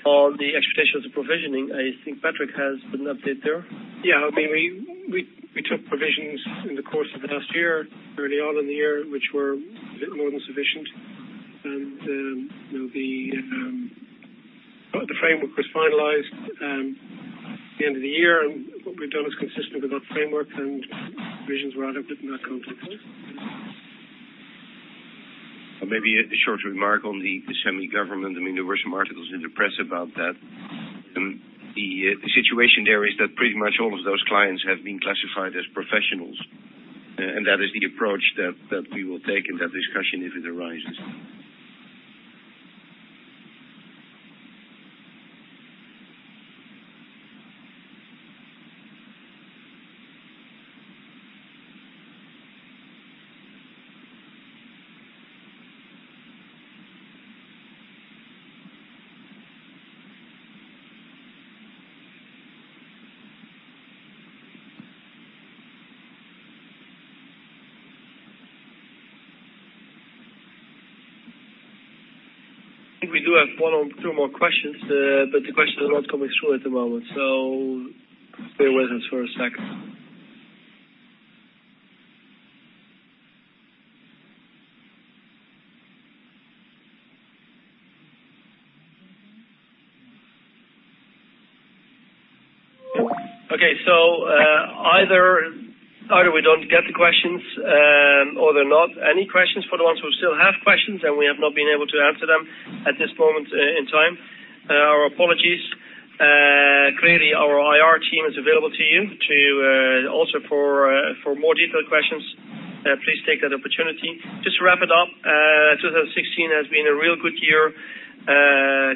On the expectations of provisioning, I think Patrick has an update there. Yeah. We took provisions in the course of the last year, early on in the year, which were a bit more than sufficient. The framework was finalized at the end of the year. What we've done is consistent with that framework, and provisions were added, but not complicated. Maybe a short remark on the semi-government. There were some articles in the press about that. The situation there is that pretty much all of those clients have been classified as professionals. That is the approach that we will take in that discussion if it arises. I think we do have one or two more questions. The questions are not coming through at the moment, bear with us for a second. Okay, either we don't get the questions or there are not any questions. For the ones who still have questions and we have not been able to answer them at this moment in time, our apologies. Clearly, our IR team is available to you also for more detailed questions. Please take that opportunity. Just to wrap it up, 2016 has been a real good year.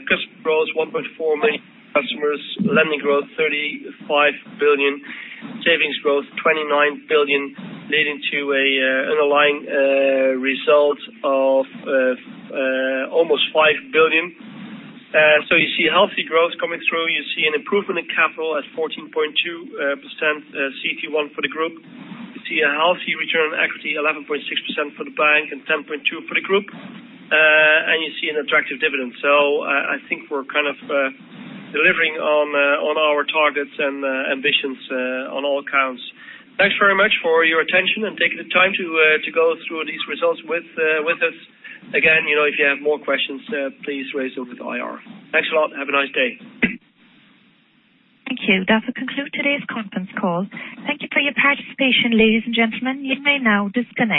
Customer growth, 1.4 million customers. Lending growth, 35 billion. Savings growth, 29 billion, leading to an underlying result of almost 5 billion. You see healthy growth coming through. You see an improvement in capital at 14.2% CT1 for the group. You see a healthy return on equity, 11.6% for the bank and 10.2% for the group. You see an attractive dividend. I think we're delivering on our targets and ambitions on all accounts. Thanks very much for your attention and taking the time to go through these results with us. Again, if you have more questions, please raise them with IR. Thanks a lot. Have a nice day. Thank you. That will conclude today's conference call. Thank you for your participation, ladies and gentlemen. You may now disconnect.